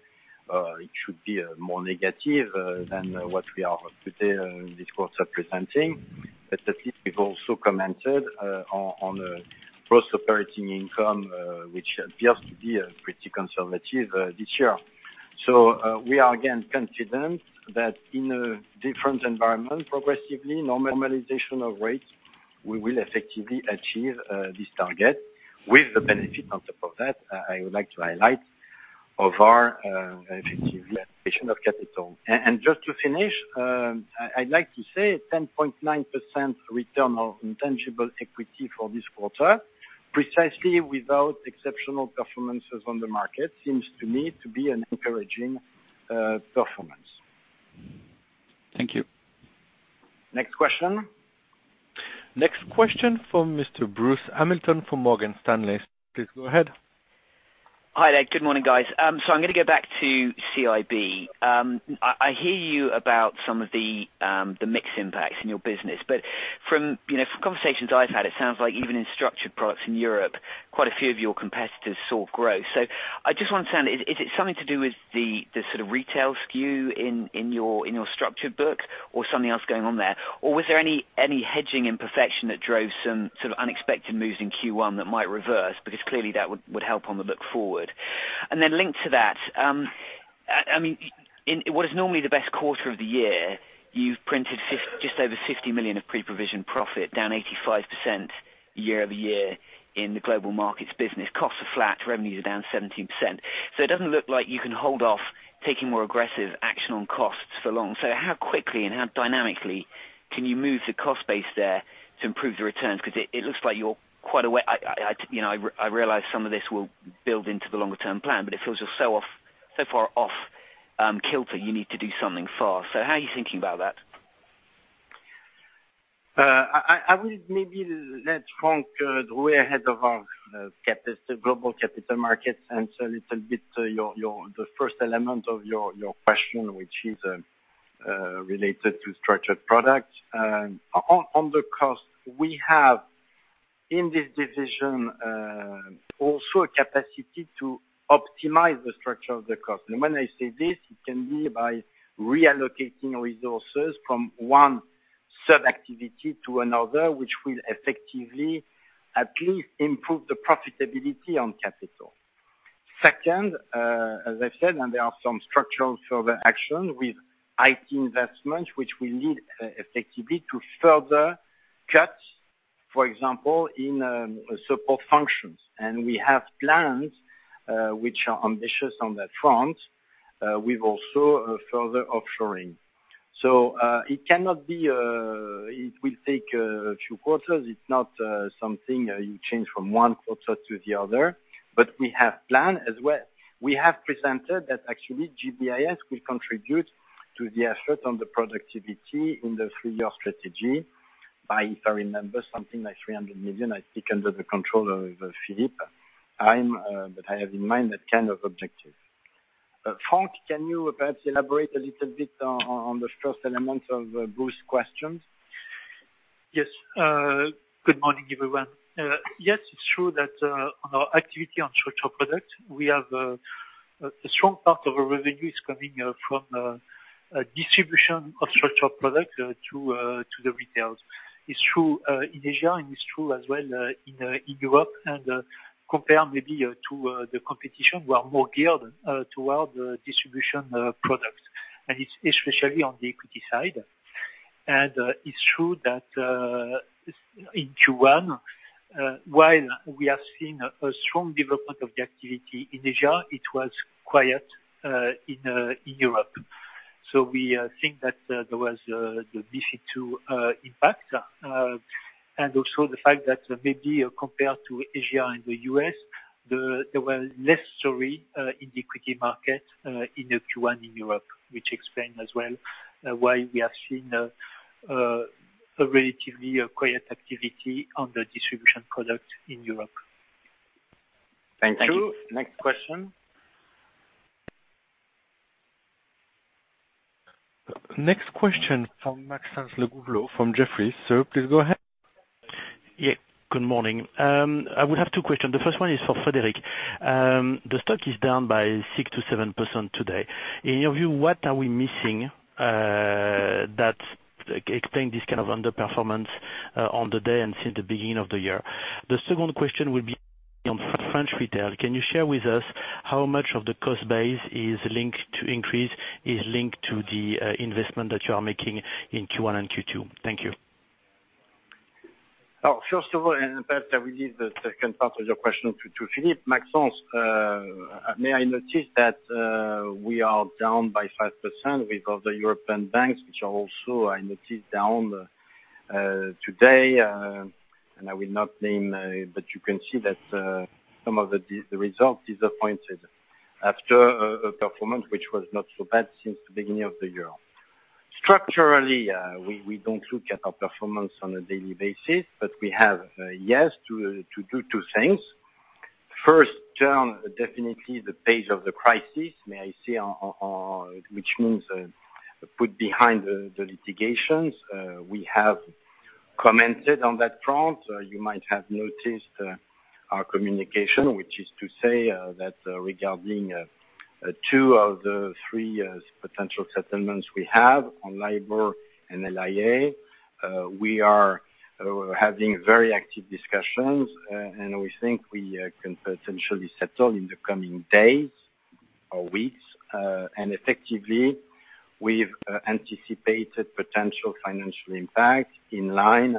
it should be more negative than what we are today this quarter presenting. At least we've also commented on the Gross Operating Income, which appears to be pretty conservative this year. We are again confident that in a different environment, progressively, normalization of rates, we will effectively achieve this target with the benefit on top of that, I would like to highlight, of our effective allocation of capital. Just to finish, I'd like to say 10.9% Return on Tangible Equity for this quarter, precisely without exceptional performances on the market, seems to me to be an encouraging performance. Thank you. Next question. Next question from Mr. Bruce Hamilton from Morgan Stanley. Please go ahead. Hi there. Good morning, guys. I'm going to go back to CIB. I hear you about some of the mix impacts in your business. From conversations I've had, it sounds like even in structured products in Europe, quite a few of your competitors saw growth. I just want to understand, is it something to do with the sort of retail skew in your structured book or something else going on there? Was there any hedging imperfection that drove some sort of unexpected moves in Q1 that might reverse? Clearly that would help on the look forward. Linked to that, in what is normally the best quarter of the year, you've printed just over 50 million of pre-provision profit, down 85% year-over-year in the global markets business. Costs are flat, revenues are down 17%. It doesn't look like you can hold off taking more aggressive action on costs for long. How quickly and how dynamically can you move the cost base there to improve the returns? Because it looks like you're quite a way I realize some of this will build into the longer-term plan, but it feels so far off kilter, you need to do something fast. How are you thinking about that? I will maybe let Frank Drouet, head of our global capital markets, answer a little bit the first element of your question, which is related to structured products. On the cost, we have in this division, also a capacity to optimize the structure of the cost. When I say this, it can be by reallocating resources from one sub-activity to another, which will effectively at least improve the profitability on capital. Second, as I said, there are some structural further action with IT investments, which will lead effectively to further cuts, for example, in support functions. We have plans, which are ambitious on that front, with also further offshoring. It will take a few quarters. It's not something you change from one quarter to the other. We have plan as well. We have presented that actually GBIS will contribute to the effort on the productivity in the three-year strategy by, if I remember, something like 300 million, I think under the control of Philippe. I have in mind that kind of objective. Frank, can you perhaps elaborate a little bit on the first element of Bruce's questions? Yes. Good morning, everyone. Yes, it's true that on our activity on structural products, a strong part of our revenue is coming from distribution of structural products to the retails. It's true in Asia, it's true as well in Europe, compared maybe to the competition, we are more geared toward the distribution products, it's especially on the equity side. It's true that in Q1, while we are seeing a strong development of the activity in Asia, it was quiet in Europe. We think that there was the Basel II impact, also the fact that maybe compared to Asia and the U.S., there were less story in the equity market in the Q1 in Europe, which explain as well why we are seeing a relatively quiet activity on the distribution product in Europe. Thank you. Next question. Next question from Maxence Le Gouvello from Jefferies. Please go ahead. Yeah. Good morning. I would have two questions. The first one is for Frédéric. The stock is down by 6% to 7% today. In your view, what are we missing that explain this kind of underperformance on the day and since the beginning of the year? The second question will be on French retail. Can you share with us how much of the cost base is linked to increase, is linked to the investment that you are making in Q1 and Q2? Thank you. First of all. Perhaps I will leave the second part of your question to Philippe. Maxence, may I notice that we are down by 5% because the European banks, which are also, I noticed, down today. I will not name, but you can see that some of the results disappointed after a performance which was not so bad since the beginning of the year. Structurally, we don't look at our performance on a daily basis. We have, yes, to do two things. First term, definitely the pace of the crisis, which means put behind the litigations. We have commented on that front. You might have noticed our communication, which is to say that regarding two of the three potential settlements we have on LIBOR and LIA, we are having very active discussions. We think we can potentially settle in the coming days or weeks. Effectively, we've anticipated potential financial impact in line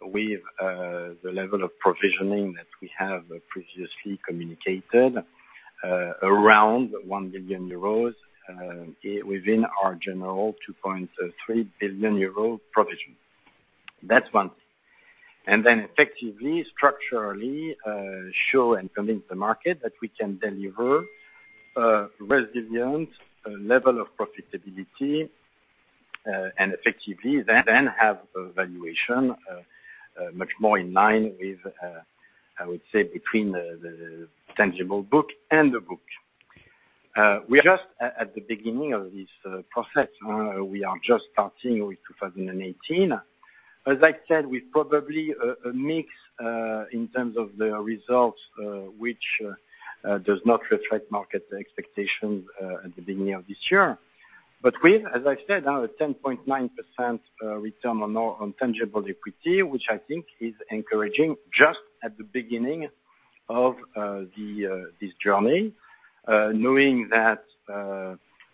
with the level of provisioning that we have previously communicated, around 1 billion euros, within our general 2.3 billion euro provision. That's one. Effectively, structurally, show and convince the market that we can deliver a resilient level of profitability, and effectively then have a valuation much more in line with, I would say between the tangible book and the book. We are just at the beginning of this process. We are just starting with 2018. As I said, with probably a mix in terms of the results, which does not reflect market expectations at the beginning of this year. With, as I said, now a 10.9% return on tangible equity, which I think is encouraging just at the beginning of this journey, knowing that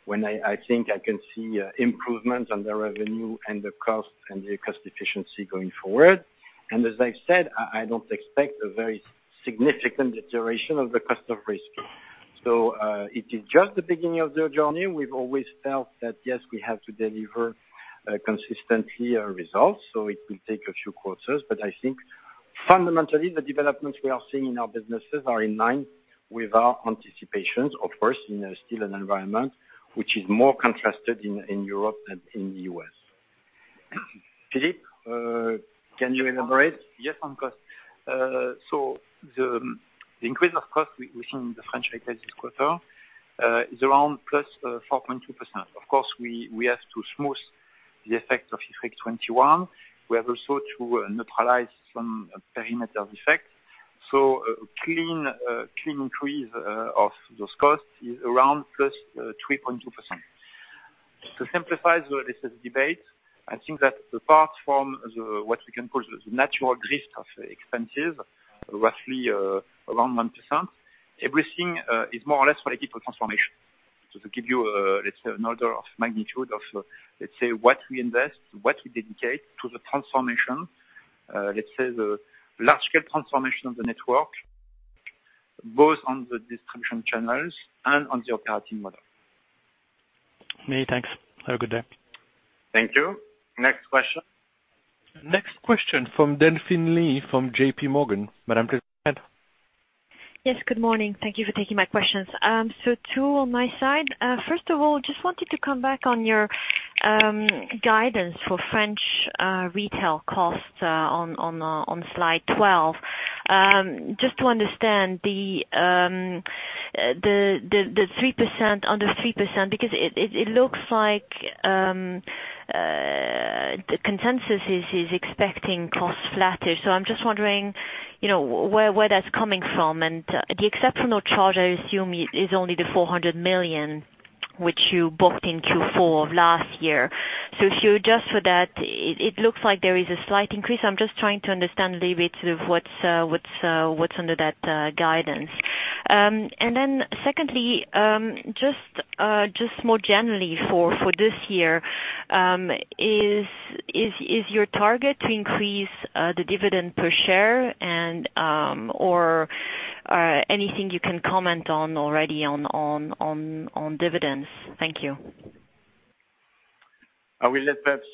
when I think I can see improvements on the revenue and the cost and the cost efficiency going forward. As I've said, I don't expect a very significant deterioration of the cost of risk. It is just the beginning of the journey. We've always felt that, yes, we have to deliver consistently our results, so it will take a few quarters, but I think fundamentally, the developments we are seeing in our businesses are in line with our anticipations, of course, in still an environment which is more contrasted in Europe than in the U.S. Philippe, can you elaborate? Yes, on cost. The increase of cost within the French retail this quarter is around plus 4.2%. Of course, we have to smooth the effect of IFRIC 21. We have also to neutralize some perimeter effect. A clean increase of those costs is around plus 3.2%. To simplify this debate, I think that the part from the, what we can call the natural drift of expenses, roughly around 9%, everything is more or less related to transformation. To give you, let's say, an order of magnitude of, let's say, what we invest, what we dedicate to the transformation, let's say the large scale transformation of the network, both on the distribution channels and on the operating model. Many thanks. Have a good day. Thank you. Next question. Next question from Delphine Lee from JPMorgan. Madam, go ahead. Yes, good morning. Thank you for taking my questions. Two on my side. First of all, just wanted to come back on your guidance for French retail costs on slide 12. Just to understand the under 3%, because it looks like the consensus is expecting cost flatter. I'm just wondering where that's coming from. And the exceptional charge I assume is only the 400 million, which you booked in Q4 last year. If you adjust for that, it looks like there is a slight increase. I'm just trying to understand a little bit of what's under that guidance. Secondly, just more generally for this year, is your target to increase the dividend per share and/or anything you can comment on already on dividends? Thank you. I will let perhaps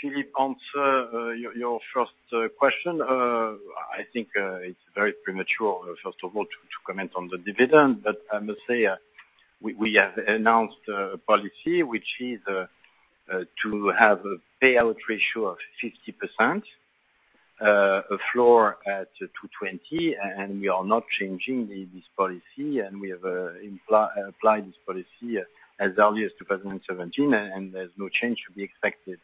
Philippe answer your first question. I think it's very premature, first of all, to comment on the dividend. I must say, we have announced a policy which is to have a payout ratio of 50%, a floor at 220, and we are not changing this policy, and we have applied this policy as early as 2017, and there's no change to be expected.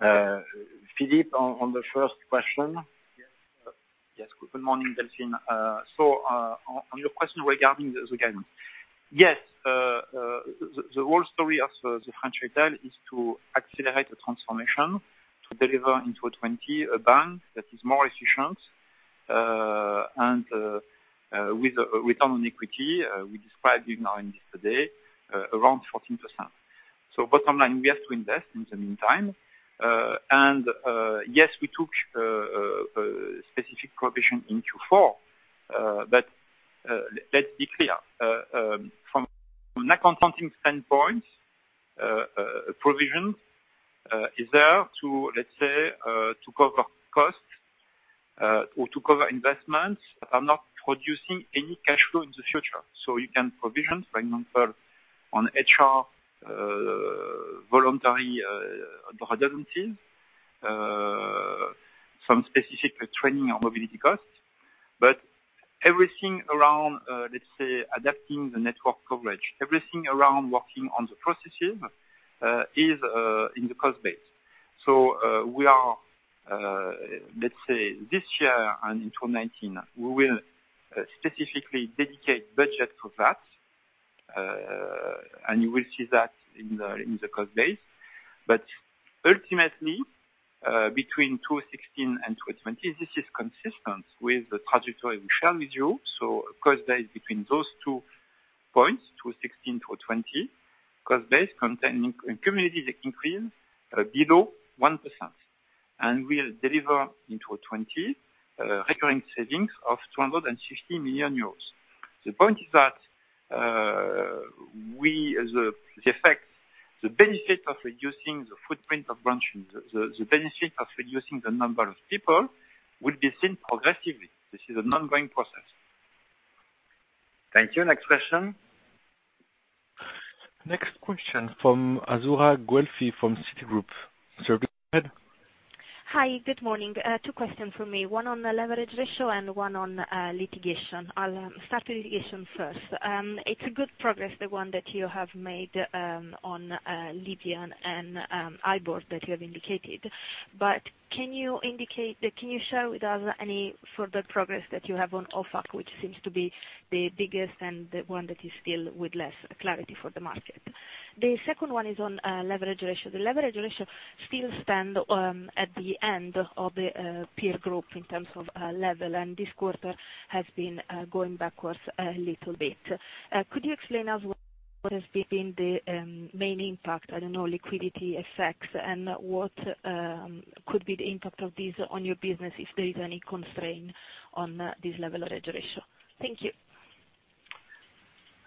Philippe, on the first question? Yes. Good morning, Delphine. On your question regarding the guidance. Yes, the whole story of the French retail is to accelerate the transformation to deliver into 2020 a bank that is more efficient, and return on equity, we described even earlier today, around 14%. Bottom line, we have to invest in the meantime. Yes, we took a specific provision in Q4. Let's be clear. From an accounting standpoint, provision is there to, let's say, to cover costs, or to cover investments are not producing any cash flow in the future. You can provision, for example, on HR voluntary redundancies. Some specific training or mobility costs, but everything around, let's say, adapting the network coverage, everything around working on the processes, is in the cost base. We are, let's say this year and in 2019, we will specifically dedicate budget for that, and you will see that in the cost base. Ultimately, between 2016 and 2020, this is consistent with the trajectory we share with you. Cost base between those two points, 2016, 2020, cost base containing cumulative increase below 1%. We will deliver into 2020 recurring savings of 250 million euros. The point is that the benefit of reducing the footprint of branching, the benefit of reducing the number of people will be seen progressively. This is an ongoing process. Thank you. Next question. Next question from Azzurra Guelfi from Citigroup. Sir, go ahead. Hi, good morning. Two questions from me. One on the leverage ratio and one on litigation. I'll start the litigation first. It's a good progress, the one that you have made, on LIBOR and IBOR that you have indicated. Can you show us any further progress that you have on OFAC, which seems to be the biggest and the one that is still with less clarity for the market? The second one is on leverage ratio. The leverage ratio still stand, at the end of the peer group in terms of level, and this quarter has been going backwards a little bit. Could you explain us what has been the main impact? I don't know, liquidity effects and what could be the impact of this on your business if there is any constraint on this leverage ratio? Thank you.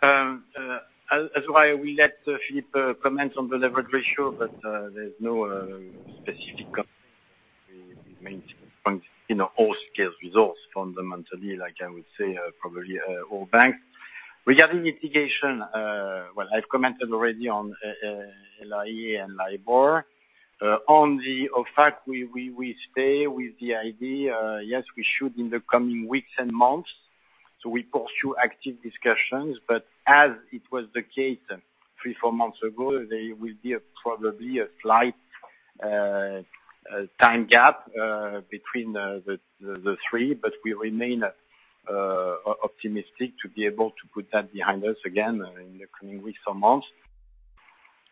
Azzurra, we let Philippe comment on the leverage ratio, but there's no specific maintenance point. In all scales resource fundamentally, like I would say, probably all banks. Regarding litigation, well, I've commented already on LIA and LIBOR. On the OFAC, we stay with the idea, yes, we should in the coming weeks and months. We pursue active discussions, but as it was the case three, four months ago, there will be probably a slight time gap between the three. But we remain optimistic to be able to put that behind us again in the coming weeks or months.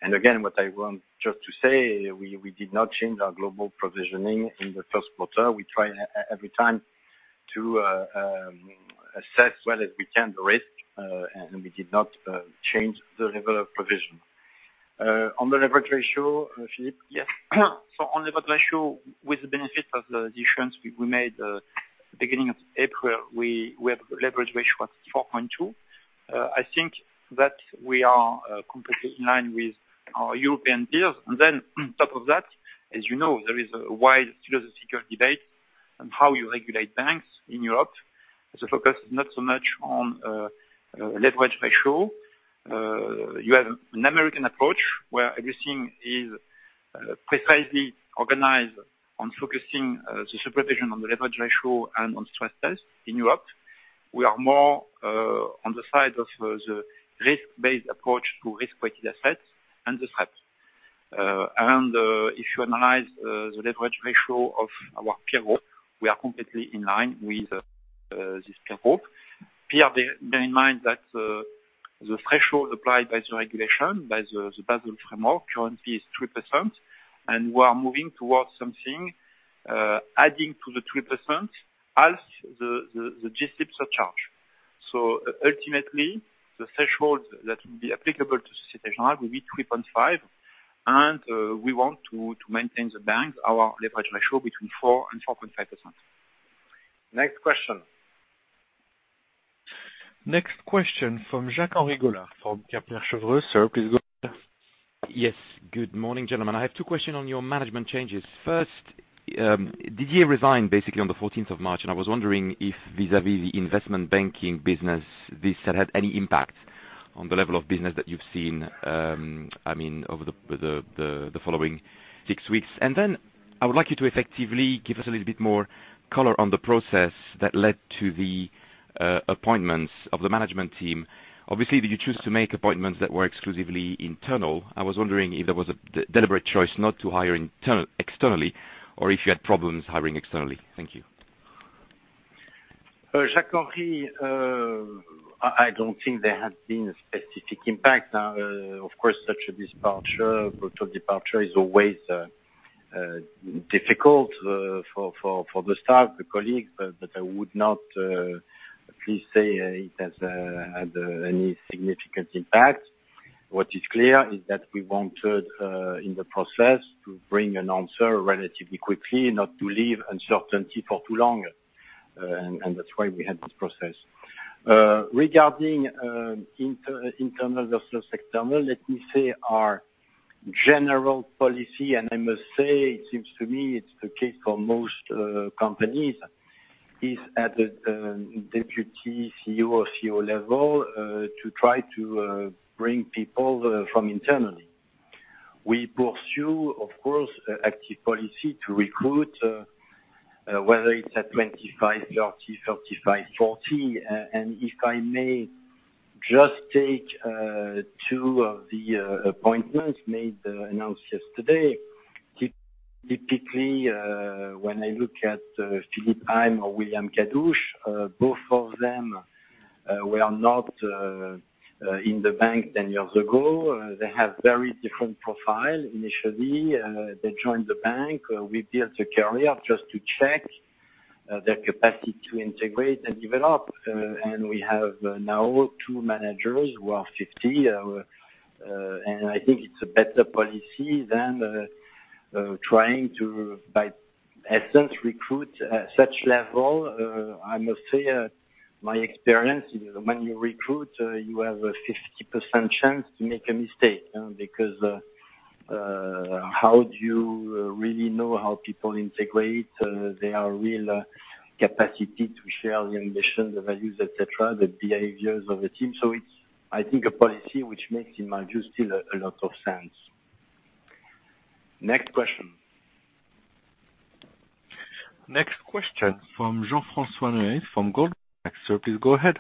Again, what I want just to say, we did not change our global provisioning in the first quarter. We try every time to assess well as we can the risk, and we did not change the level of provision. On the leverage ratio, Philippe? Yeah. On leverage ratio, with the benefit of the decisions we made beginning of April, we have leverage ratio at 4.2. I think that we are completely in line with our European peers. On top of that, as you know, there is a wide philosophical debate on how you regulate banks in Europe, as the focus is not so much on leverage ratio. You have an American approach where everything is precisely organized on focusing the supervision on the leverage ratio and on stress test. In Europe, we are more on the side of the risk-based approach to risk-weighted assets and the stress. If you analyze the leverage ratio of our peer group, we are completely in line with this peer group. Bear in mind that the threshold applied by the regulation, by the Basel framework, currently is 3%, and we are moving towards something, adding to the 3%, as the G-SIB surcharge. Ultimately, the threshold that will be applicable to Société Générale will be 3.5, and we want to maintain the bank, our leverage ratio between 4% and 4.5%. Next question. Next question from Jacques-Henri Gaulard, from Kepler Cheuvreux. Sir, please go ahead. Yes. Good morning, gentlemen. I have two questions on your management changes. First, Didier resigned basically on the 14th of March. I was wondering if vis-à-vis the investment banking business, this had any impact on the level of business that you've seen, I mean, over the following six weeks. I would like you to effectively give us a little bit more color on the process that led to the appointments of the management team. Obviously, did you choose to make appointments that were exclusively internal? I was wondering if there was a deliberate choice not to hire externally, or if you had problems hiring externally. Thank you. Jacques-Henri, I don't think there has been a specific impact. Of course, such a departure, brutal departure is always difficult for the staff, the colleagues. I would not please say it has had any significant impact. What is clear is that we wanted, in the process, to bring an answer relatively quickly, not to leave uncertainty for too long. That's why we had this process. Regarding internal versus external, let me say our general policy, I must say it seems to me it's the case for most companies Is at the Deputy CEO or CEO level to try to bring people from internally. We pursue, of course, active policy to recruit, whether it's at 25, 30, 35, 40. If I may just take two of the appointments made, announced yesterday. Typically, when I look at Philippe Heim or William Kadouch, both of them were not in the bank 10 years ago. They have very different profile initially. They joined the bank. We built a career just to check their capacity to integrate and develop. We have now two managers who are 50. I think it's a better policy than trying to, by essence, recruit at such level. I must say my experience, when you recruit, you have a 50% chance to make a mistake, because how do you really know how people integrate, their real capacity to share the ambition, the values, et cetera, the behaviors of a team? It's, I think, a policy which makes, in my view, still a lot of sense. Next question. Next question from Jean-Francois Neuez from Goldman Sachs. Sir, please go ahead.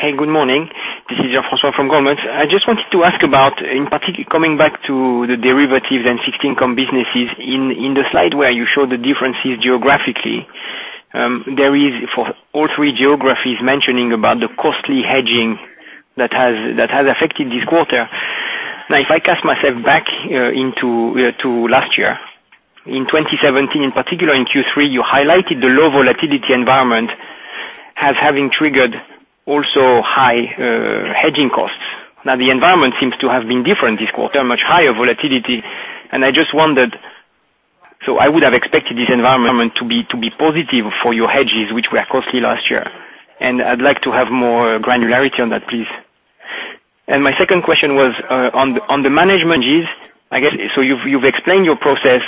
Hey, good morning. This is Jean-Francois from Goldman. I just wanted to ask about, in particular, coming back to the derivatives and fixed income businesses in the slide where you show the differences geographically. There is for all three geographies mentioning about the costly hedging that has affected this quarter. If I cast myself back into last year, in 2017, in particular in Q3, you highlighted the low volatility environment as having triggered also high hedging costs. I just wondered, I would have expected this environment to be positive for your hedges, which were costly last year. I'd like to have more granularity on that, please. My second question was on the management fees. You've explained your process.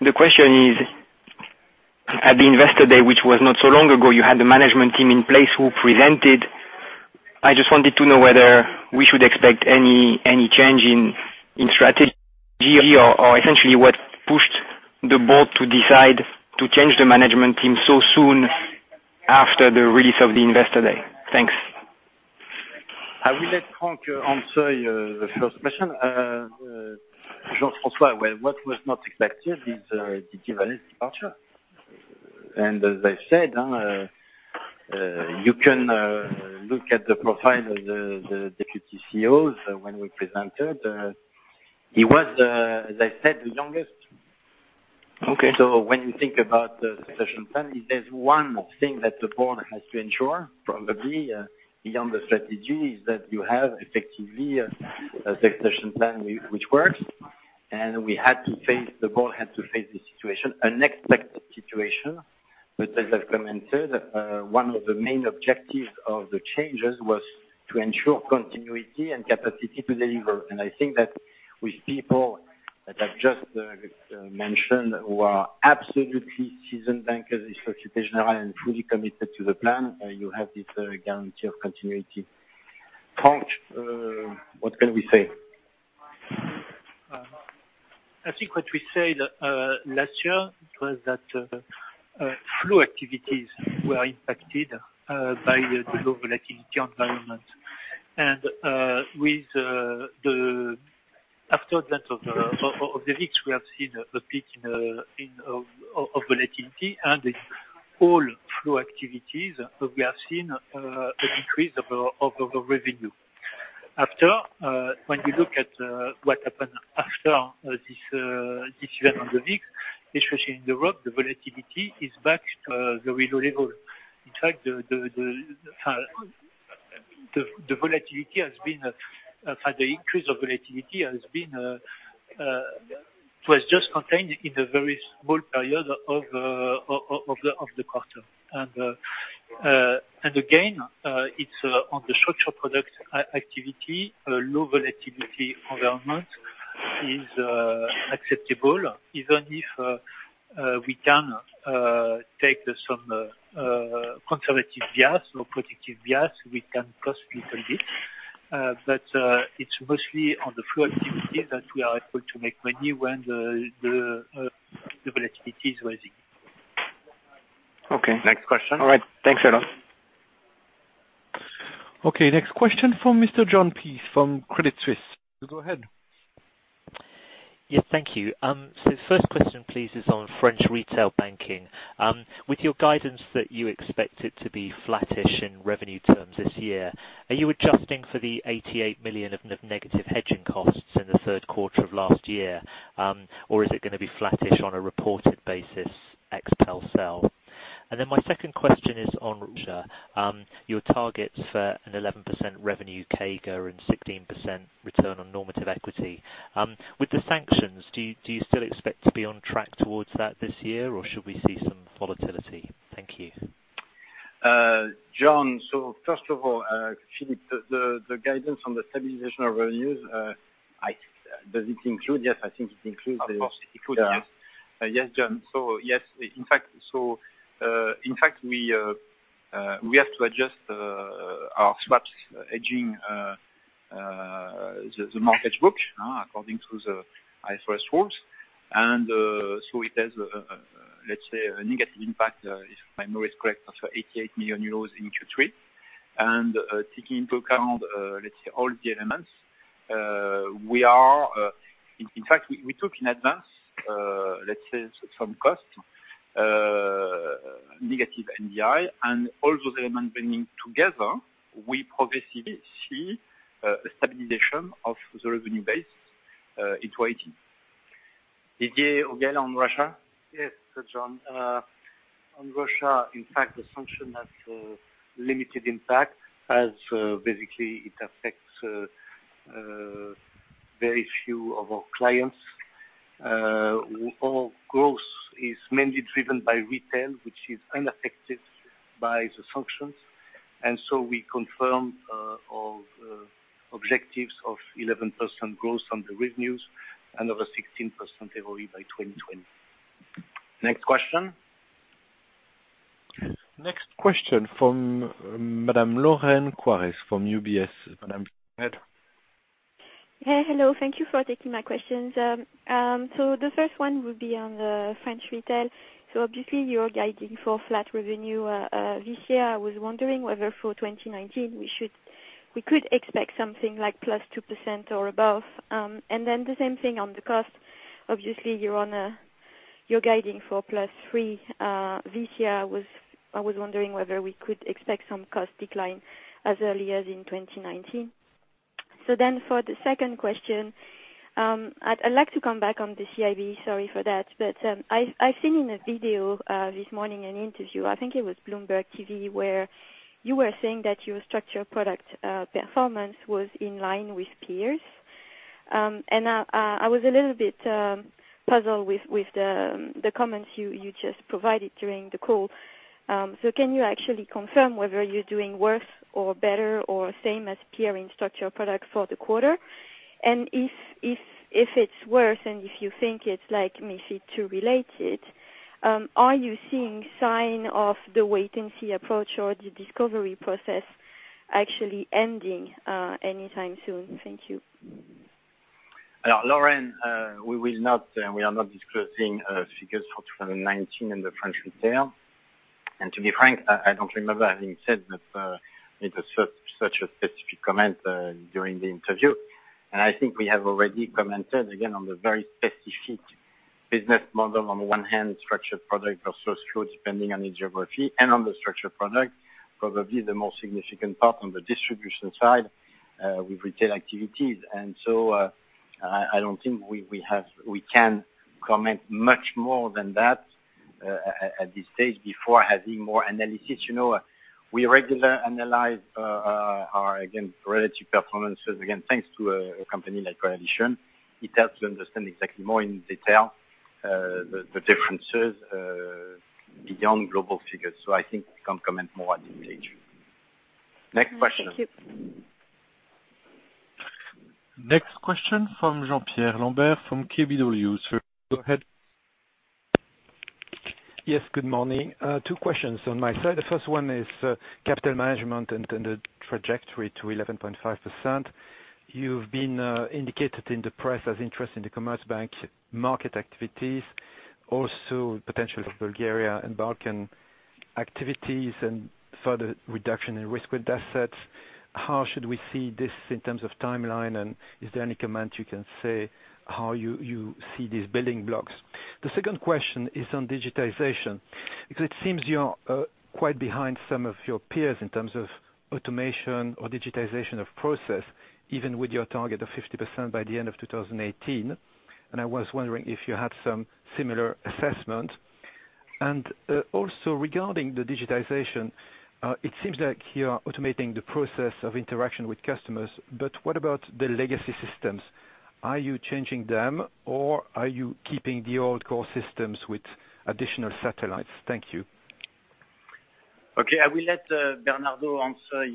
The question is, at the investor day, which was not so long ago, you had the management team in place who presented. I just wanted to know whether we should expect any change in strategy or essentially what pushed the board to decide to change the management team so soon after the release of the investor day. Thanks. I will let Franck answer your first question. Jean-Francois, well, what was not expected is Didier Valet's departure. As I said, you can look at the profile of the Deputy CEOs when we presented. He was, as I said, the youngest. Okay. When you think about the succession plan, if there's one thing that the board has to ensure, probably, beyond the strategy, is that you have effectively a succession plan which works. The board had to face this situation, unexpected situation. As I've commented, one of the main objectives of the changes was to ensure continuity and capacity to deliver. I think that with people that I've just mentioned, who are absolutely seasoned bankers in Société Générale and fully committed to the plan, you have this guarantee of continuity. Franck, what can we say? I think what we said last year was that flow activities were impacted by the low volatility environment. After that of the VIX, we have seen a peak of volatility and in all flow activities, we have seen a decrease of the revenue. We look at what happened after this event on the VIX, especially in Europe, the volatility is back to a very low level. In fact, the increase of volatility was just contained in the very small period of the quarter. Again, it's on the structural product activity. A low volatility environment is acceptable, even if we can take some conservative bias or protective bias, we can cost a little bit. It's mostly on the flow activity that we are able to make money when the volatility is rising. Okay. Next question. All right. Thanks a lot. Next question from Mr. Jon Peace from Credit Suisse. Go ahead. Yes, thank you. The first question, please, is on French retail banking. With your guidance that you expect it to be flattish in revenue terms this year, are you adjusting for the 88 million of negative hedging costs in the third quarter of last year? Or is it going to be flattish on a reported basis, ex PEL/CEL? My second question is on Russia. Your targets for an 11% revenue CAGR and 16% return on normative equity. With the sanctions, do you still expect to be on track towards that this year? Or should we see some volatility? Thank you. Jon, first of all, Philippe, the guidance on the stabilization of revenues, does it include, yes, I think it includes. Of course, it could. Yes, Jon. Yes, in fact, we have to adjust our swaps hedging the market book according to the IFRS rules. It has, let's say, a negative impact, if my memory is correct, of 88 million euros in Q3. Taking into account, let's say, all the elements, in fact, we took in advance let's say some costs, negative NBI and all those elements bringing together, we progressively see a stabilization of the revenue base in 2018. Didier Ogier on Russia? Yes, Jon. On Russia, in fact, the sanction has a limited impact as basically it affects very few of our clients. Our growth is mainly driven by retail, which is unaffected by the sanctions. We confirm our objectives of 11% growth on the revenues and over 16% ROE by 2020. Next question. Next question from Madame Flora Bocahut from UBS. Madame, go ahead. Hey. Hello. Thank you for taking my questions. The first one would be on the French retail. Obviously, you're guiding for flat revenue this year. I was wondering whether for 2019 we could expect something like +2% or above. The same thing on the cost. Obviously, you're guiding for +3 this year. I was wondering whether we could expect some cost decline as early as in 2019. For the second question, I'd like to come back on the CIB, sorry for that. I've seen in a video, this morning, an interview, I think it was Bloomberg Television, where you were saying that your structured product performance was in line with peers. I was a little bit puzzled with the comments you just provided during the call. Can you actually confirm whether you're doing worse or better, or same as peer in structured products for the quarter? If it's worse, and if you think it's messy to relate it, are you seeing sign of the wait-and-see approach or the discovery process actually ending anytime soon? Thank you. Lorraine, we are not disclosing figures for 2019 in the French retail. To be frank, I don't remember having said that it was such a specific comment during the interview. I think we have already commented again on the very specific business model on one hand, structured product versus flow, depending on the geography and on the structured product, probably the most significant part on the distribution side, with retail activities. I don't think we can comment much more than that at this stage before having more analysis. We regularly analyze our, again, relative performances, again, thanks to a company like Coalition. It helps to understand exactly more in detail, the differences, beyond global figures. I think we can't comment more at this stage. Next question. Thank you. Next question from Jean-Pierre Lambert from KBW. Sir, go ahead. Yes, good morning. Two questions on my side. The first one is, capital management and the trajectory to 11.5%. You've been indicated in the press as interest in the Commerzbank market activities, also potential Bulgaria and Balkan activities and further reduction in risk-weighted assets. How should we see this in terms of timeline, and is there any comment you can say how you see these building blocks? The second question is on digitization, because it seems you're quite behind some of your peers in terms of automation or digitization of process, even with your target of 50% by the end of 2018. I was wondering if you had some similar assessment. Also regarding the digitization, it seems like you are automating the process of interaction with customers, but what about the legacy systems? Are you changing them or are you keeping the old core systems with additional satellites? Thank you. Okay. I will let Bernardo answer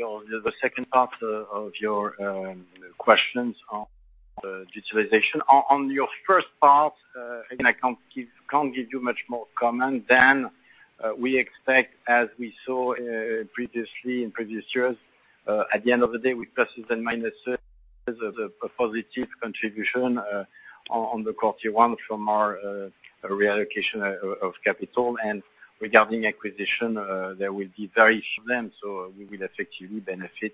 the second part of your questions on digitization. On your first part, again, I can't give you much more comment than we expect as we saw previously in previous years. At the end of the day, we pluses and minus a positive contribution on the Q1 from our reallocation of capital. Regarding acquisition, there will be very few of them, we will effectively benefit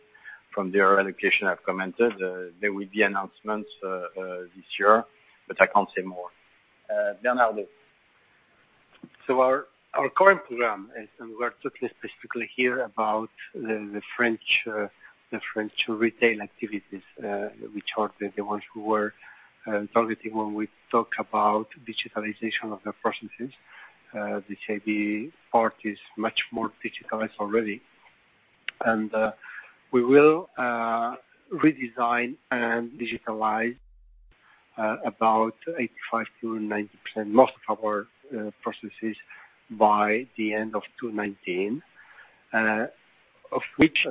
from the reallocation I've commented. There will be announcements this year, but I can't say more. Bernardo. Our current program is, and we are talking specifically here about the French retail activities, which are the ones we were targeting when we talk about digitalization of the processes. The CIB part is much more digitalized already We will redesign and digitalize about 85%-90%, most of our processes, by the end of 2019, of which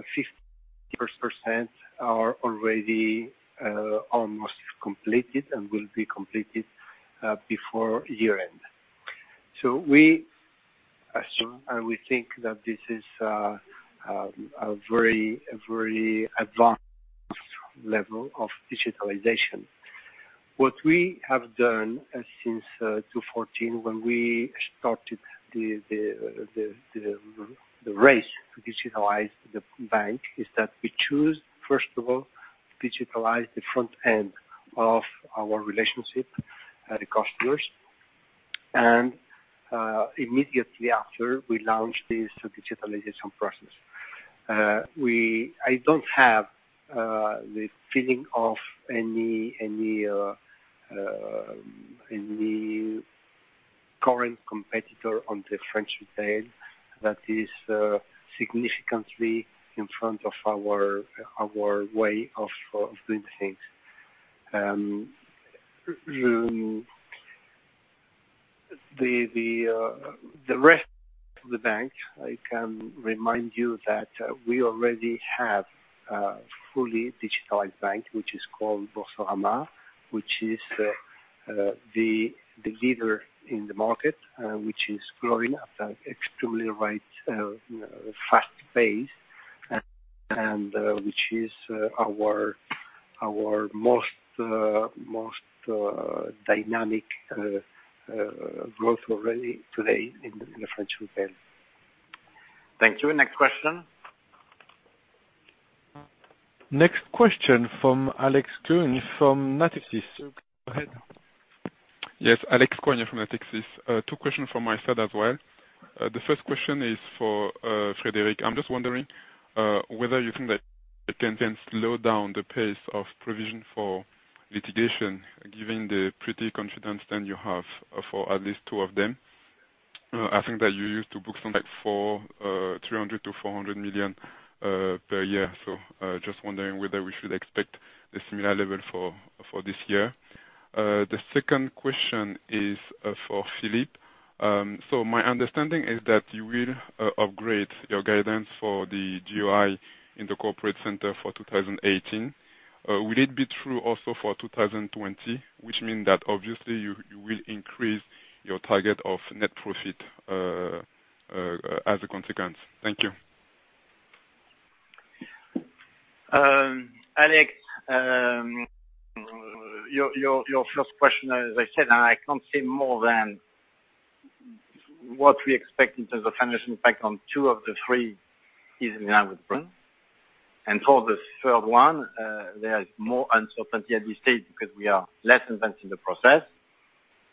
50% are already almost completed and will be completed before year-end. We assume, and we think that this is a very advanced level of digitalization. What we have done since 2014, when we started the race to digitalize the bank, is that we choose, first of all, to digitalize the front end of our relationship with the customers. Immediately after, we launched this digitalization process. I don't have the feeling of any current competitor on the French retail that is significantly in front of our way of doing things. The rest of the bank, I can remind you that we already have a fully digitalized bank, which is called Boursorama, which is the leader in the market, which is growing at an extremely fast pace, and which is our most dynamic growth already today in the French retail. Thank you. Next question. Next question from Alexandre Coignard from Natixis. Go ahead. Yes, Alex Coignard from Natixis. Two questions from my side as well. The first question is for Frédéric. Just wondering whether you think that it can then slow down the pace of provision for litigation, given the pretty confident stand you have for at least two of them. I think that you used to book some, like, 300 million to 400 million per year. Just wondering whether we should expect a similar level for this year. The second question is for Philippe. My understanding is that you will upgrade your guidance for the GOI in the corporate center for 2018. Will it be true also for 2020, which means that obviously you will increase your target of net profit as a consequence? Thank you. Alex, your first question, as I said, I can't say more than what we expect in terms of financial impact on two of the three is in our blueprint. For the third one, there is more uncertainty at this stage because we are less advanced in the process.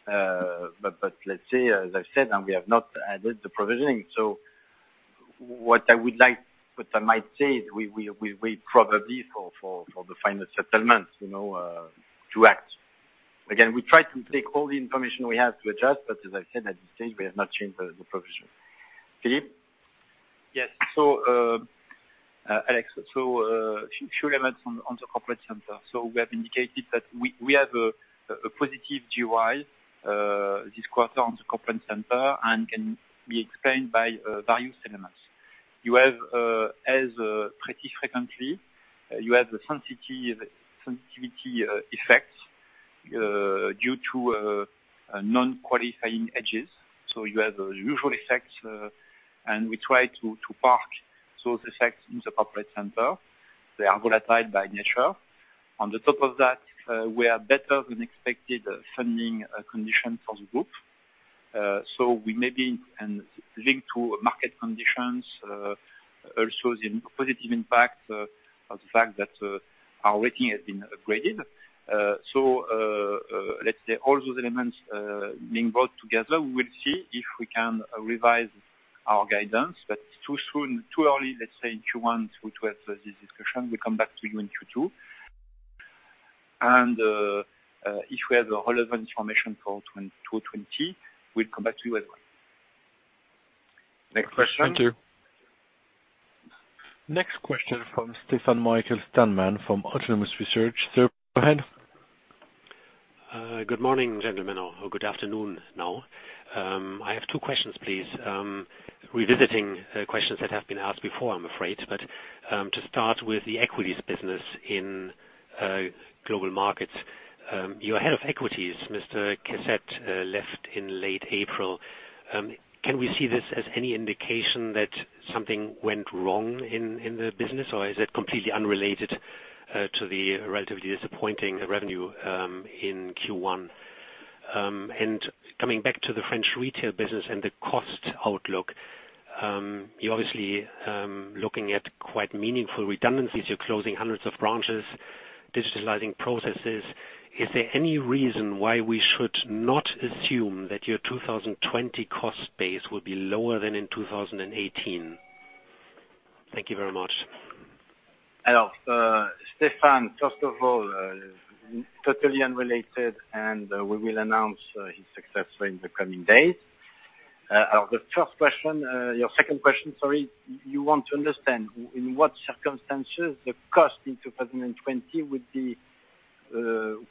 Let's say, as I've said, we have not added the provisioning. What I might say is we probably, for the final settlement, to act. We try to take all the information we have to adjust, as I've said, at this stage, we have not changed the provision. Philippe? Yes. Alex, a few elements on the corporate center. We have indicated that we have a positive GOI this quarter on the corporate center, and can be explained by valuation adjustments. Pretty frequently, you have the sensitivity effects due to non-qualifying hedges. You have the usual effects, and we try to park those effects in the corporate center. They are volatile by nature. On the top of that, we are better than expected funding condition for the group. We may be linked to market conditions, also the positive impact of the fact that our rating has been upgraded. Let's say all those elements being brought together, we will see if we can revise our guidance, but too soon, too early, let's say in Q1 to have this discussion. We come back to you in Q2. If we have relevant information for 2020, we'll come back to you as well. Next question. Thank you. Next question from Stefan Stalmann from Autonomous Research. Sir, go ahead. Good morning, gentlemen. Or good afternoon now. I have two questions please. Revisiting questions that have been asked before, I'm afraid, but to start with the equities business in global markets. Your head of equities, Mr. Quessette, left in late April. Can we see this as any indication that something went wrong in the business, or is it completely unrelated to the relatively disappointing revenue in Q1? Coming back to the French retail business and the cost outlook, you're obviously looking at quite meaningful redundancies. You're closing hundreds of branches, digitalizing processes. Is there any reason why we should not assume that your 2020 cost base will be lower than in 2018? Thank you very much. Hello. Stefan, first of all, totally unrelated, and we will announce his successor in the coming days. Your second question, you want to understand in what circumstances the cost in 2020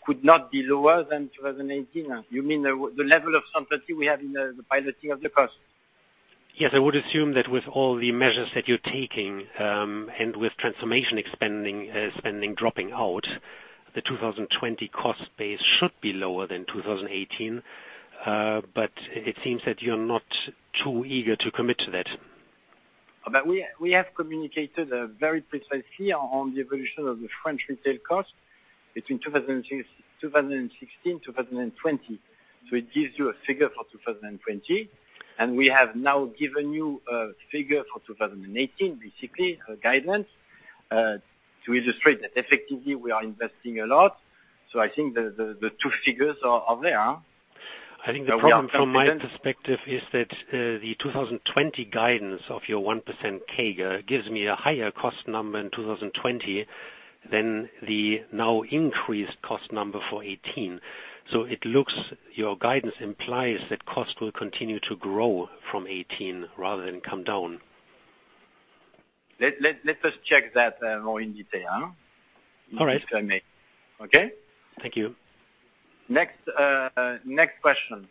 could not be lower than 2019. You mean the level of certainty we have in the piloting of the cost? Yes, I would assume that with all the measures that you're taking, and with transformation spending dropping out, the 2020 cost base should be lower than 2018. It seems that you're not too eager to commit to that. We have communicated very precisely on the evolution of the French retail cost between 2016, 2020. It gives you a figure for 2020, and we have now given you a figure for 2018, basically, a guidance, to illustrate that effectively, we are investing a lot. I think the two figures are there. I think the problem from my perspective is that the 2020 guidance of your 1% CAGR gives me a higher cost number in 2020 than the now increased cost number for '18. It looks, your guidance implies that cost will continue to grow from '18 rather than come down. Let us check that more in detail. All right. Okay? Thank you. Next question.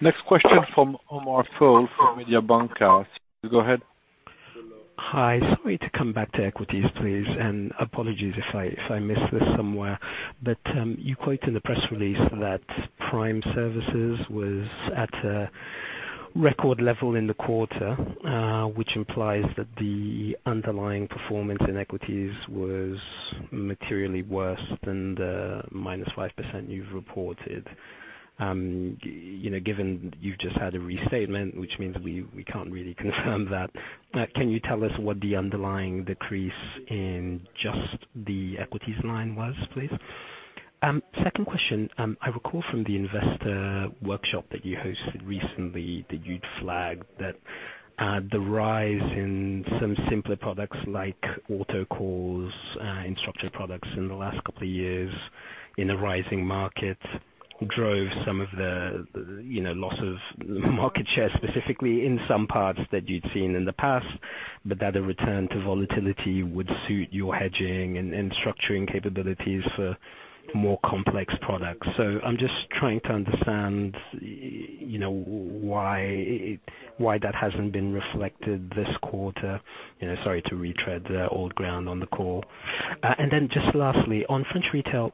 Next question from Omar Fall from Mediobanca. Go ahead. Hi. Sorry to come back to equities, please, and apologies if I miss this somewhere. You quote in the press release that prime services was at a record level in the quarter, which implies that the underlying performance in equities was materially worse than the minus 5% you've reported. Given you've just had a restatement, which means we can't really confirm that. Can you tell us what the underlying decrease in just the equities line was, please? Second question, I recall from the investor workshop that you hosted recently that you'd flagged that the rise in some simpler products like autocalls in structured products in the last couple of years in a rising market drove some of the loss of market share, specifically in some parts that you'd seen in the past, but that a return to volatility would suit your hedging and structuring capabilities for more complex products. I'm just trying to understand why that hasn't been reflected this quarter. Sorry to retread old ground on the call. Just lastly, on French Retail,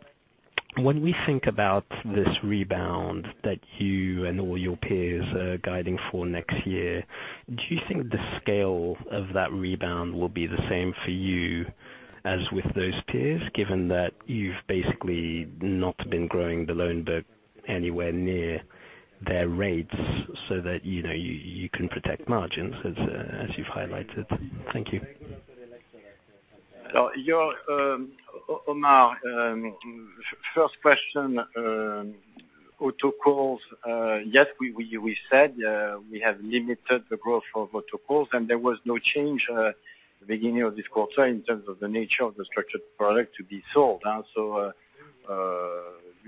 when we think about this rebound that you and all your peers are guiding for next year, do you think the scale of that rebound will be the same for you as with those peers, given that you've basically not been growing the loan book anywhere near their rates so that you can protect margins as you've highlighted? Thank you. Omar, first question, autocalls. Yes, we said we have limited the growth of autocalls, and there was no change at the beginning of this quarter in terms of the nature of the structured product to be sold.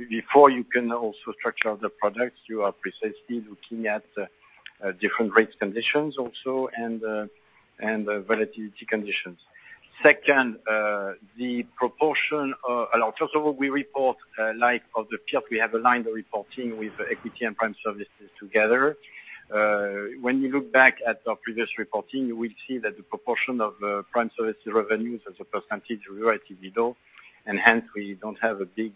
Before you can also structure the products, you are precisely looking at different rates conditions also and the volatility conditions. First of all, we report like our peers, we have aligned the reporting with Equity and Prime Services together. When you look back at our previous reporting, you will see that the proportion of Prime Services revenues as a percentage relatively low, and hence we don't have a big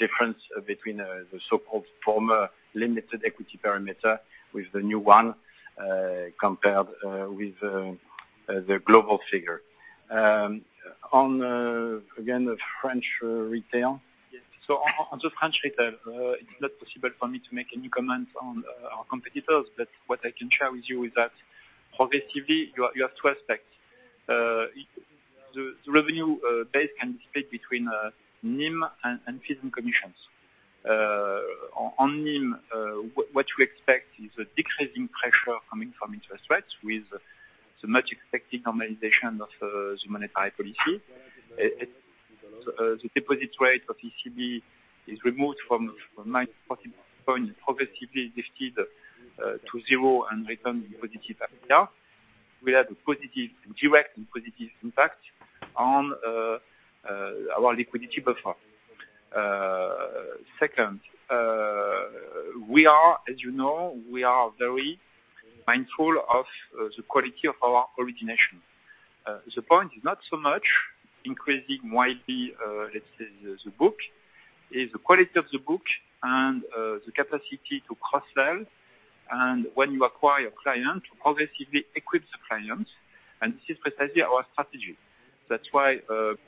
difference between the so-called former limited equity parameter with the new one compared with the global figure. Again, the French Retail. On the French Retail, it's not possible for me to make any comments on our competitors, but what I can share with you is that progressively, you have two aspects. The revenue base can be split between NIM and fees and commissions. On NIM, what we expect is a decreasing pressure coming from interest rates with the much expected normalization of the monetary policy. The deposit rate for ECB is removed from minus 40 basis points progressively lifted to zero and return positive back there. We have a direct and positive impact on our liquidity buffer. As you know, we are very mindful of the quality of our origination. The point is not so much increasing wildly, let's say, the book, is the quality of the book and the capacity to cross sell. When you acquire a client, progressively equip the client, and this is precisely our strategy. That's why the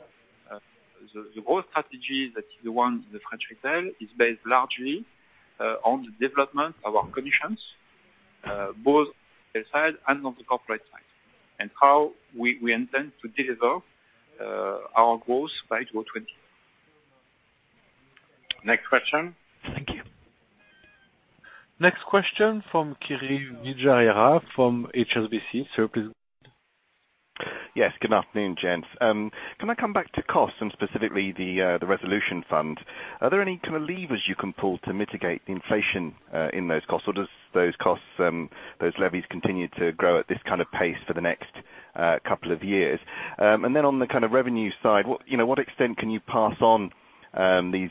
growth strategy that is the one in the French Retail is based largely on the development of our commissions, both retail side and on the corporate side, and how we intend to deliver our growth by 2020. Next question. Next question from Kirill Pizheyerov from HSBC. Sir, please go ahead. Yes, good afternoon, gents. Can I come back to costs and specifically the Single Resolution Fund? Are there any kind of levers you can pull to mitigate the inflation in those costs, or do those costs, those levies, continue to grow at this kind of pace for the next couple of years? Then on the kind of revenue side, what extent can you pass on these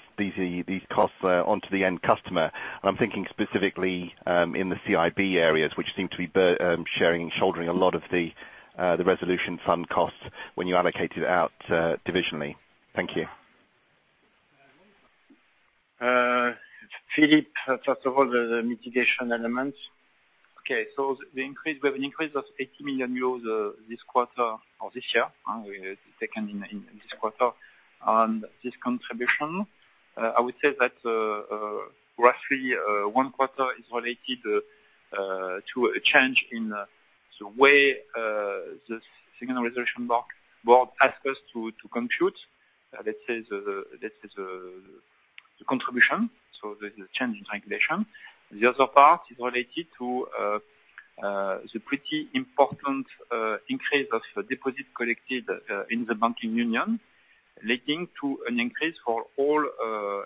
costs onto the end customer? I'm thinking specifically in the CIB areas, which seem to be sharing and shouldering a lot of the Single Resolution Fund costs when you allocate it out divisionally. Thank you. Philippe, first of all, the mitigation elements. Okay. We have an increase of 80 million euros this quarter or this year. We take in this quarter on this contribution. I would say that roughly one quarter is related to a change in the way the Single Resolution Board ask us to compute. Let's say this is the contribution, there's a change in regulation. The other part is related to the pretty important increase of deposit collected in the banking union, leading to an increase for all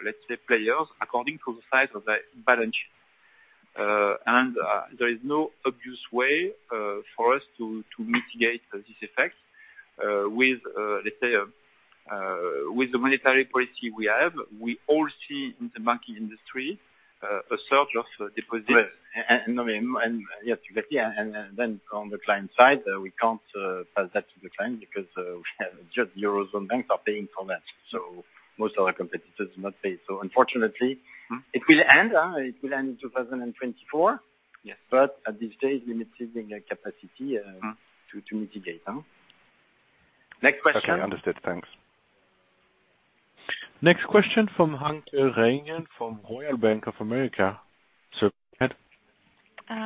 let's say, players according to the size of the balance sheet. There is no obvious way for us to mitigate this effect. With the monetary policy we have, we all see in the banking industry a surge of deposits. On the client side, we can't pass that to the client because we have just Eurozone banks are paying for that. Most of our competitors do not pay. Unfortunately, it will end in 2024. Yes. At this stage, limited capacity to mitigate. Next question. Okay, understood. Thanks. Next question from Anke Reingen, from Royal Bank of Canada. Sir.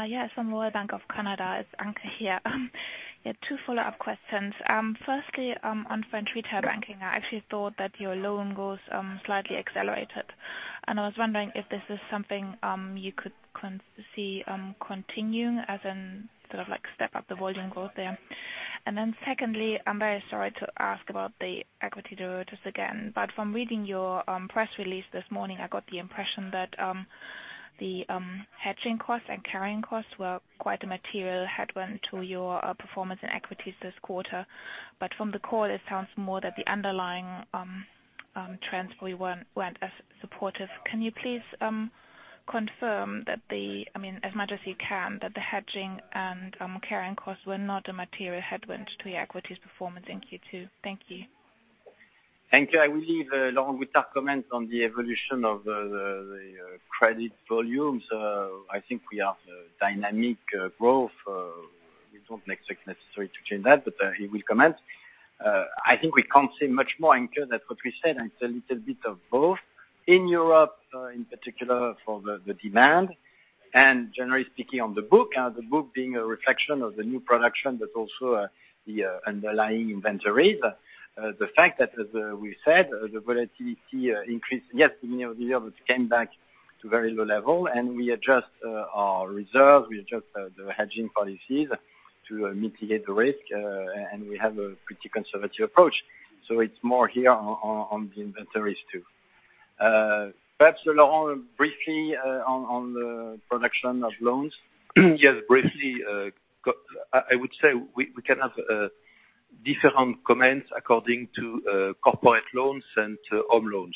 Yes, from Royal Bank of Canada. It's Anke here. Yeah, two follow-up questions. Firstly, on French retail banking, I actually thought that your loan growth slightly accelerated, I was wondering if this is something you could see continuing as in sort of step up the volume growth there. Secondly, I'm very sorry to ask about the equity derivatives again, but from reading your press release this morning, I got the impression that the hedging costs and carrying costs were quite a material headwind to your performance in equities this quarter. From the call, it sounds more that the underlying trends probably weren't as supportive. Can you please confirm that the, I mean, as much as you can, that the hedging and carrying costs were not a material headwind to your equities performance in Q2? Thank you. Anke, I will leave Laurent with that comment on the evolution of the credit volumes. I think we have dynamic growth. We don't necessarily to change that, but he will comment. I think we can't say much more, Anke, than what we said. It's a little bit of both in Europe, in particular for the demand, and generally speaking, on the book, the book being a reflection of the new production, but also the underlying inventories. The fact that, as we said, the volatility increased yet near the year, but came back to very low level, and we adjust our reserve, we adjust the hedging policies to mitigate the risk, and we have a pretty conservative approach. It's more here on the inventories, too. Perhaps, Laurent, briefly on the production of loans. Yes, briefly. I would say we can have different comments according to corporate loans and home loans.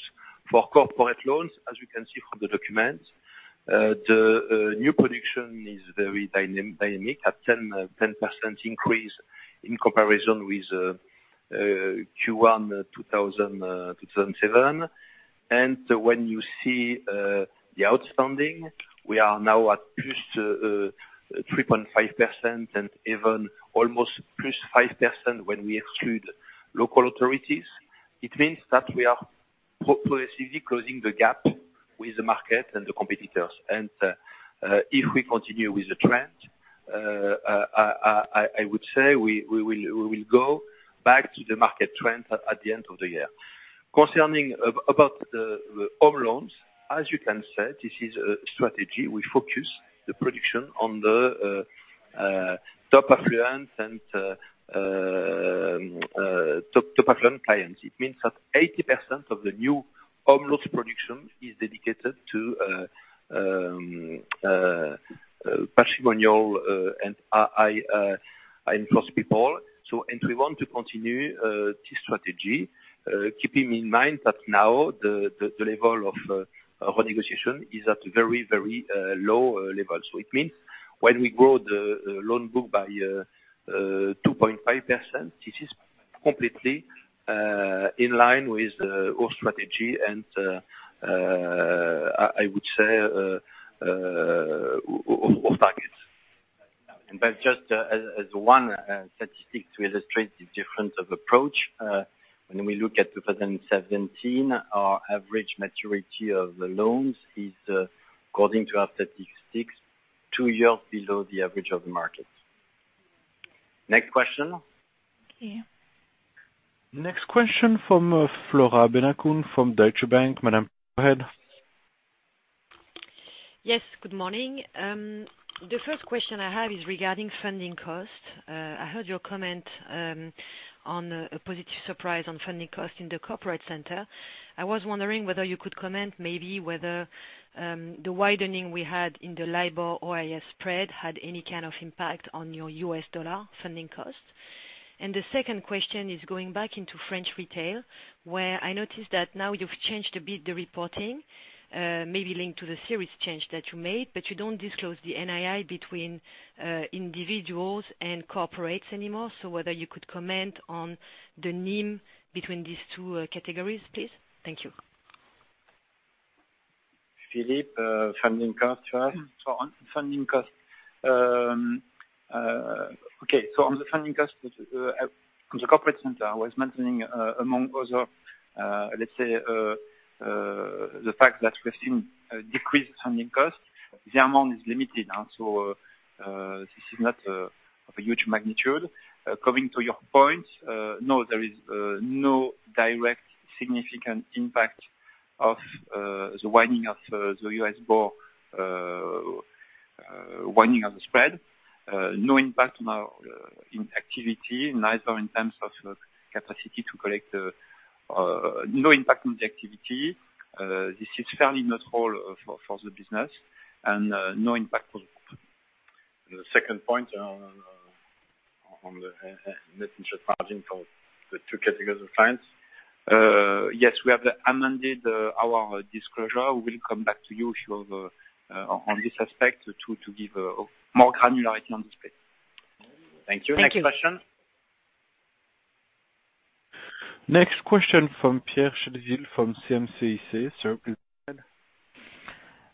For corporate loans, as you can see from the documents, the new production is very dynamic, at 10% increase in comparison with Q1 2018. When you see the outstanding, we are now at +3.5% and even almost +5% when we exclude local authorities. It means that we are progressively closing the gap with the market and the competitors. If we continue with the trend, I would say we will go back to the market trend at the end of the year. Concerning about the home loans, as you can see, this is a strategy. We focus the production on the top affluent clients. It means that 80% of the new home loans production is dedicated to patrimonial and high net worth people. We want to continue this strategy, keeping in mind that now the level of renegotiation is at very low levels. It means when we grow the loan book by 2.5%, this is completely in line with our strategy and, I would say, our targets. Just as one statistic to illustrate the difference of approach, when we look at 2017, our average maturity of the loans is, according to our statistics, two years below the average of the market. Next question. Next question from Flora Bocahut from Deutsche Bank. Madam, go ahead. Yes, good morning. The first question I have is regarding funding costs. I heard your comment on a positive surprise on funding costs in the corporate center. I was wondering whether you could comment maybe whether the widening we had in the LIBOR-OIS spread had any kind of impact on your U.S. dollar funding costs. The second question is going back into French retail, where I noticed that now you've changed a bit the reporting, maybe linked to the series change that you made, but you don't disclose the NII between individuals and corporates anymore. Whether you could comment on the NIM between these two categories, please. Thank you. Philippe, funding cost first. On funding cost. Okay, on the funding cost on the corporate center, I was mentioning among other, let's say, the fact that we've seen a decreased funding cost. The amount is limited, so this is not of a huge magnitude. Coming to your point, no, there is no direct significant impact of the widening of the US basis, widening of the spread. No impact on our activity, neither in terms of capacity to collect No impact on the activity. This is fairly not a hole for the business. No impact for the group. The second point on the net interest margin for the two categories of clients. Yes, we have amended our disclosure. We will come back to you on this aspect to give a more granularity on this space. Thank you. Next question. Next question from Pierre Chedeville from CM-CIC. Sir, please go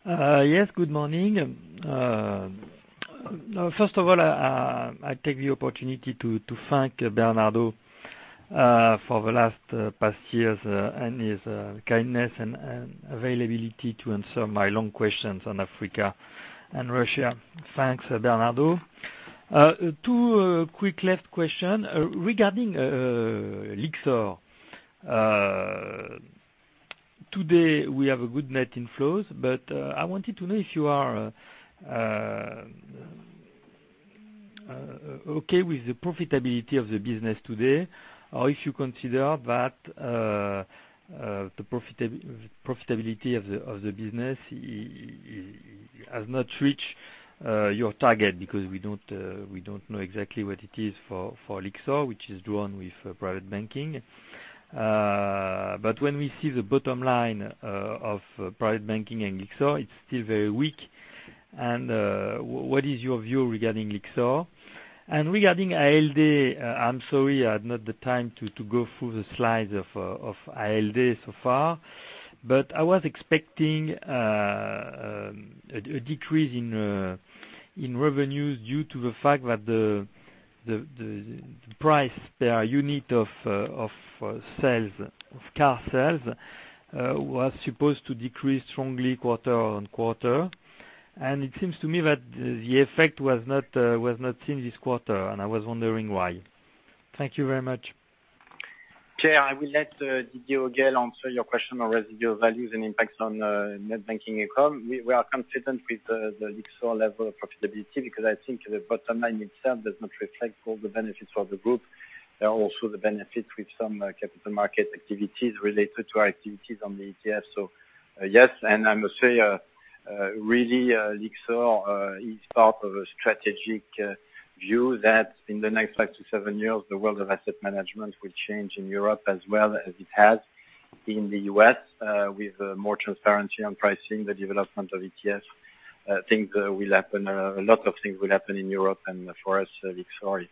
ahead. Yes, good morning. First of all, I take the opportunity to thank Bernardo for the last past years and his kindness and availability to answer my long questions on Africa and Russia. Thanks, Bernardo. Two quick last question. Regarding Lyxor, today we have good net inflows. I wanted to know if you are okay with the profitability of the business today, or if you consider that the profitability of the business has not reached your target, because we do not know exactly what it is for Lyxor, which is drawn with private banking. When we see the bottom line of private banking and Lyxor, it is still very weak. What is your view regarding Lyxor? Regarding ALD, I am sorry, I had not the time to go through the slides of ALD so far. I was expecting a decrease in revenues due to the fact that the price per unit of car sales was supposed to decrease strongly quarter-on-quarter. It seems to me that the effect was not seen this quarter. I was wondering why. Thank you very much. Pierre, I will let Didier or Gaël answer your question on residual values and impact on net banking income. We are confident with the Lyxor level of profitability because I think the bottom line itself does not reflect all the benefits for the group. Also, the benefit with some capital market activities related to our activities on the ETF. Yes, I must say, really, Lyxor is part of a strategic view that in the next five to seven years, the world of asset management will change in Europe as well as it has in the U.S., with more transparency on pricing, the development of ETFs. A lot of things will happen in Europe. For us, Lyxor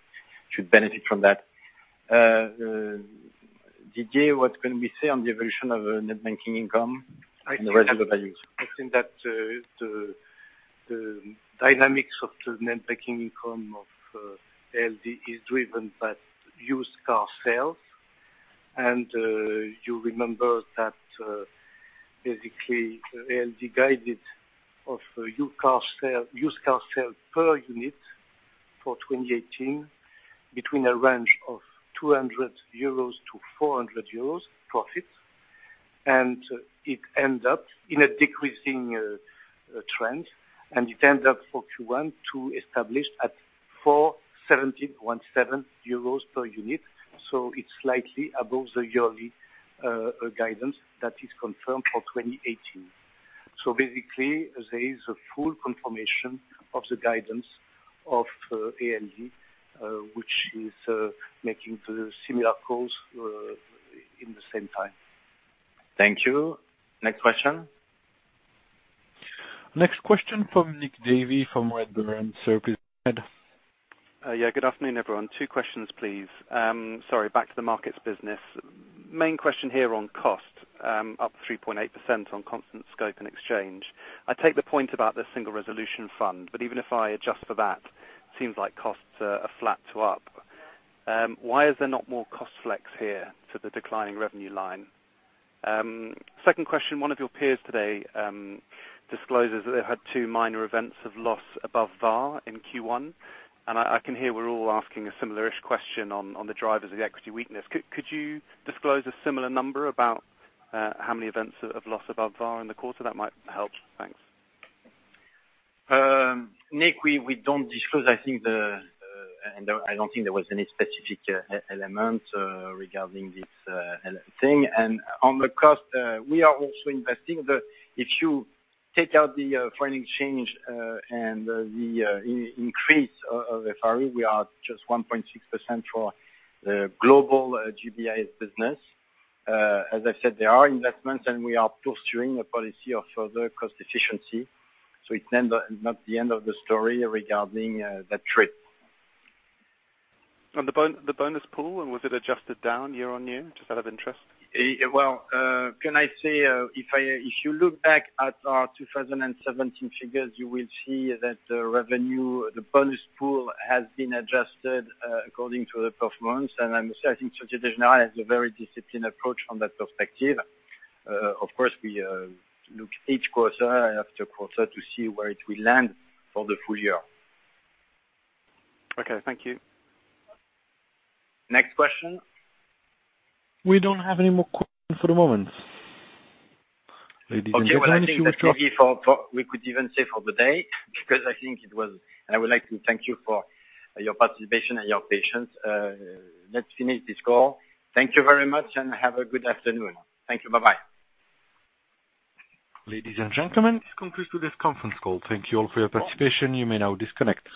should benefit from that. Didier, what can we say on the evolution of net banking income and the residual values? I think that the dynamics of the net banking income of ALD is driven by used car sales. You remember that basically, ALD guided of used car sale per unit for 2018 between a range of 200-400 euros profit, and it ends up in a decreasing trend, and it ends up for Q1 to establish at 417 euros per unit. It's slightly above the yearly guidance that is confirmed for 2018. Basically, there is a full confirmation of the guidance of ALD, which is making the similar calls in the same time. Thank you. Next question. Next question from Nicholas Davey from Redburn. Sir, please go ahead. Yeah, good afternoon, everyone. Two questions, please. Sorry, back to the markets business. Main question here on cost, up 3.8% on constant scope and exchange. Even if I adjust for that, it seems like costs are flat to up. Why is there not more cost flex here for the declining revenue line? Second question, one of your peers today discloses that they had two minor events of loss above VaR in Q1. I can hear we're all asking a similar-ish question on the drivers of the equity weakness. Could you disclose a similar number about how many events of loss above VaR in the quarter? That might help. Thanks. Nick, we don't disclose. I don't think there was any specific element regarding this thing. On the cost, we are also investing. If you take out the foreign exchange and the increase of FRU, we are just 1.6% for the global GBS business. As I said, there are investments. We are pursuing a policy of further cost efficiency. It's not the end of the story regarding that trip. The bonus pool, was it adjusted down year-on-year? Just out of interest. Well, can I say, if you look back at our 2017 figures, you will see that the revenue, the bonus pool has been adjusted according to the performance. I must say, I think Société Générale has a very disciplined approach from that perspective. Of course, we look each quarter after quarter to see where it will land for the full year. Okay. Thank you. Next question. We don't have any more questions for the moment. Okay. Well, I think that's maybe for the day, because I think it was. I would like to thank you for your participation and your patience. Let's finish this call. Thank you very much, and have a good afternoon. Thank you. Bye-bye. Ladies and gentlemen, this concludes today's conference call. Thank you all for your participation. You may now disconnect.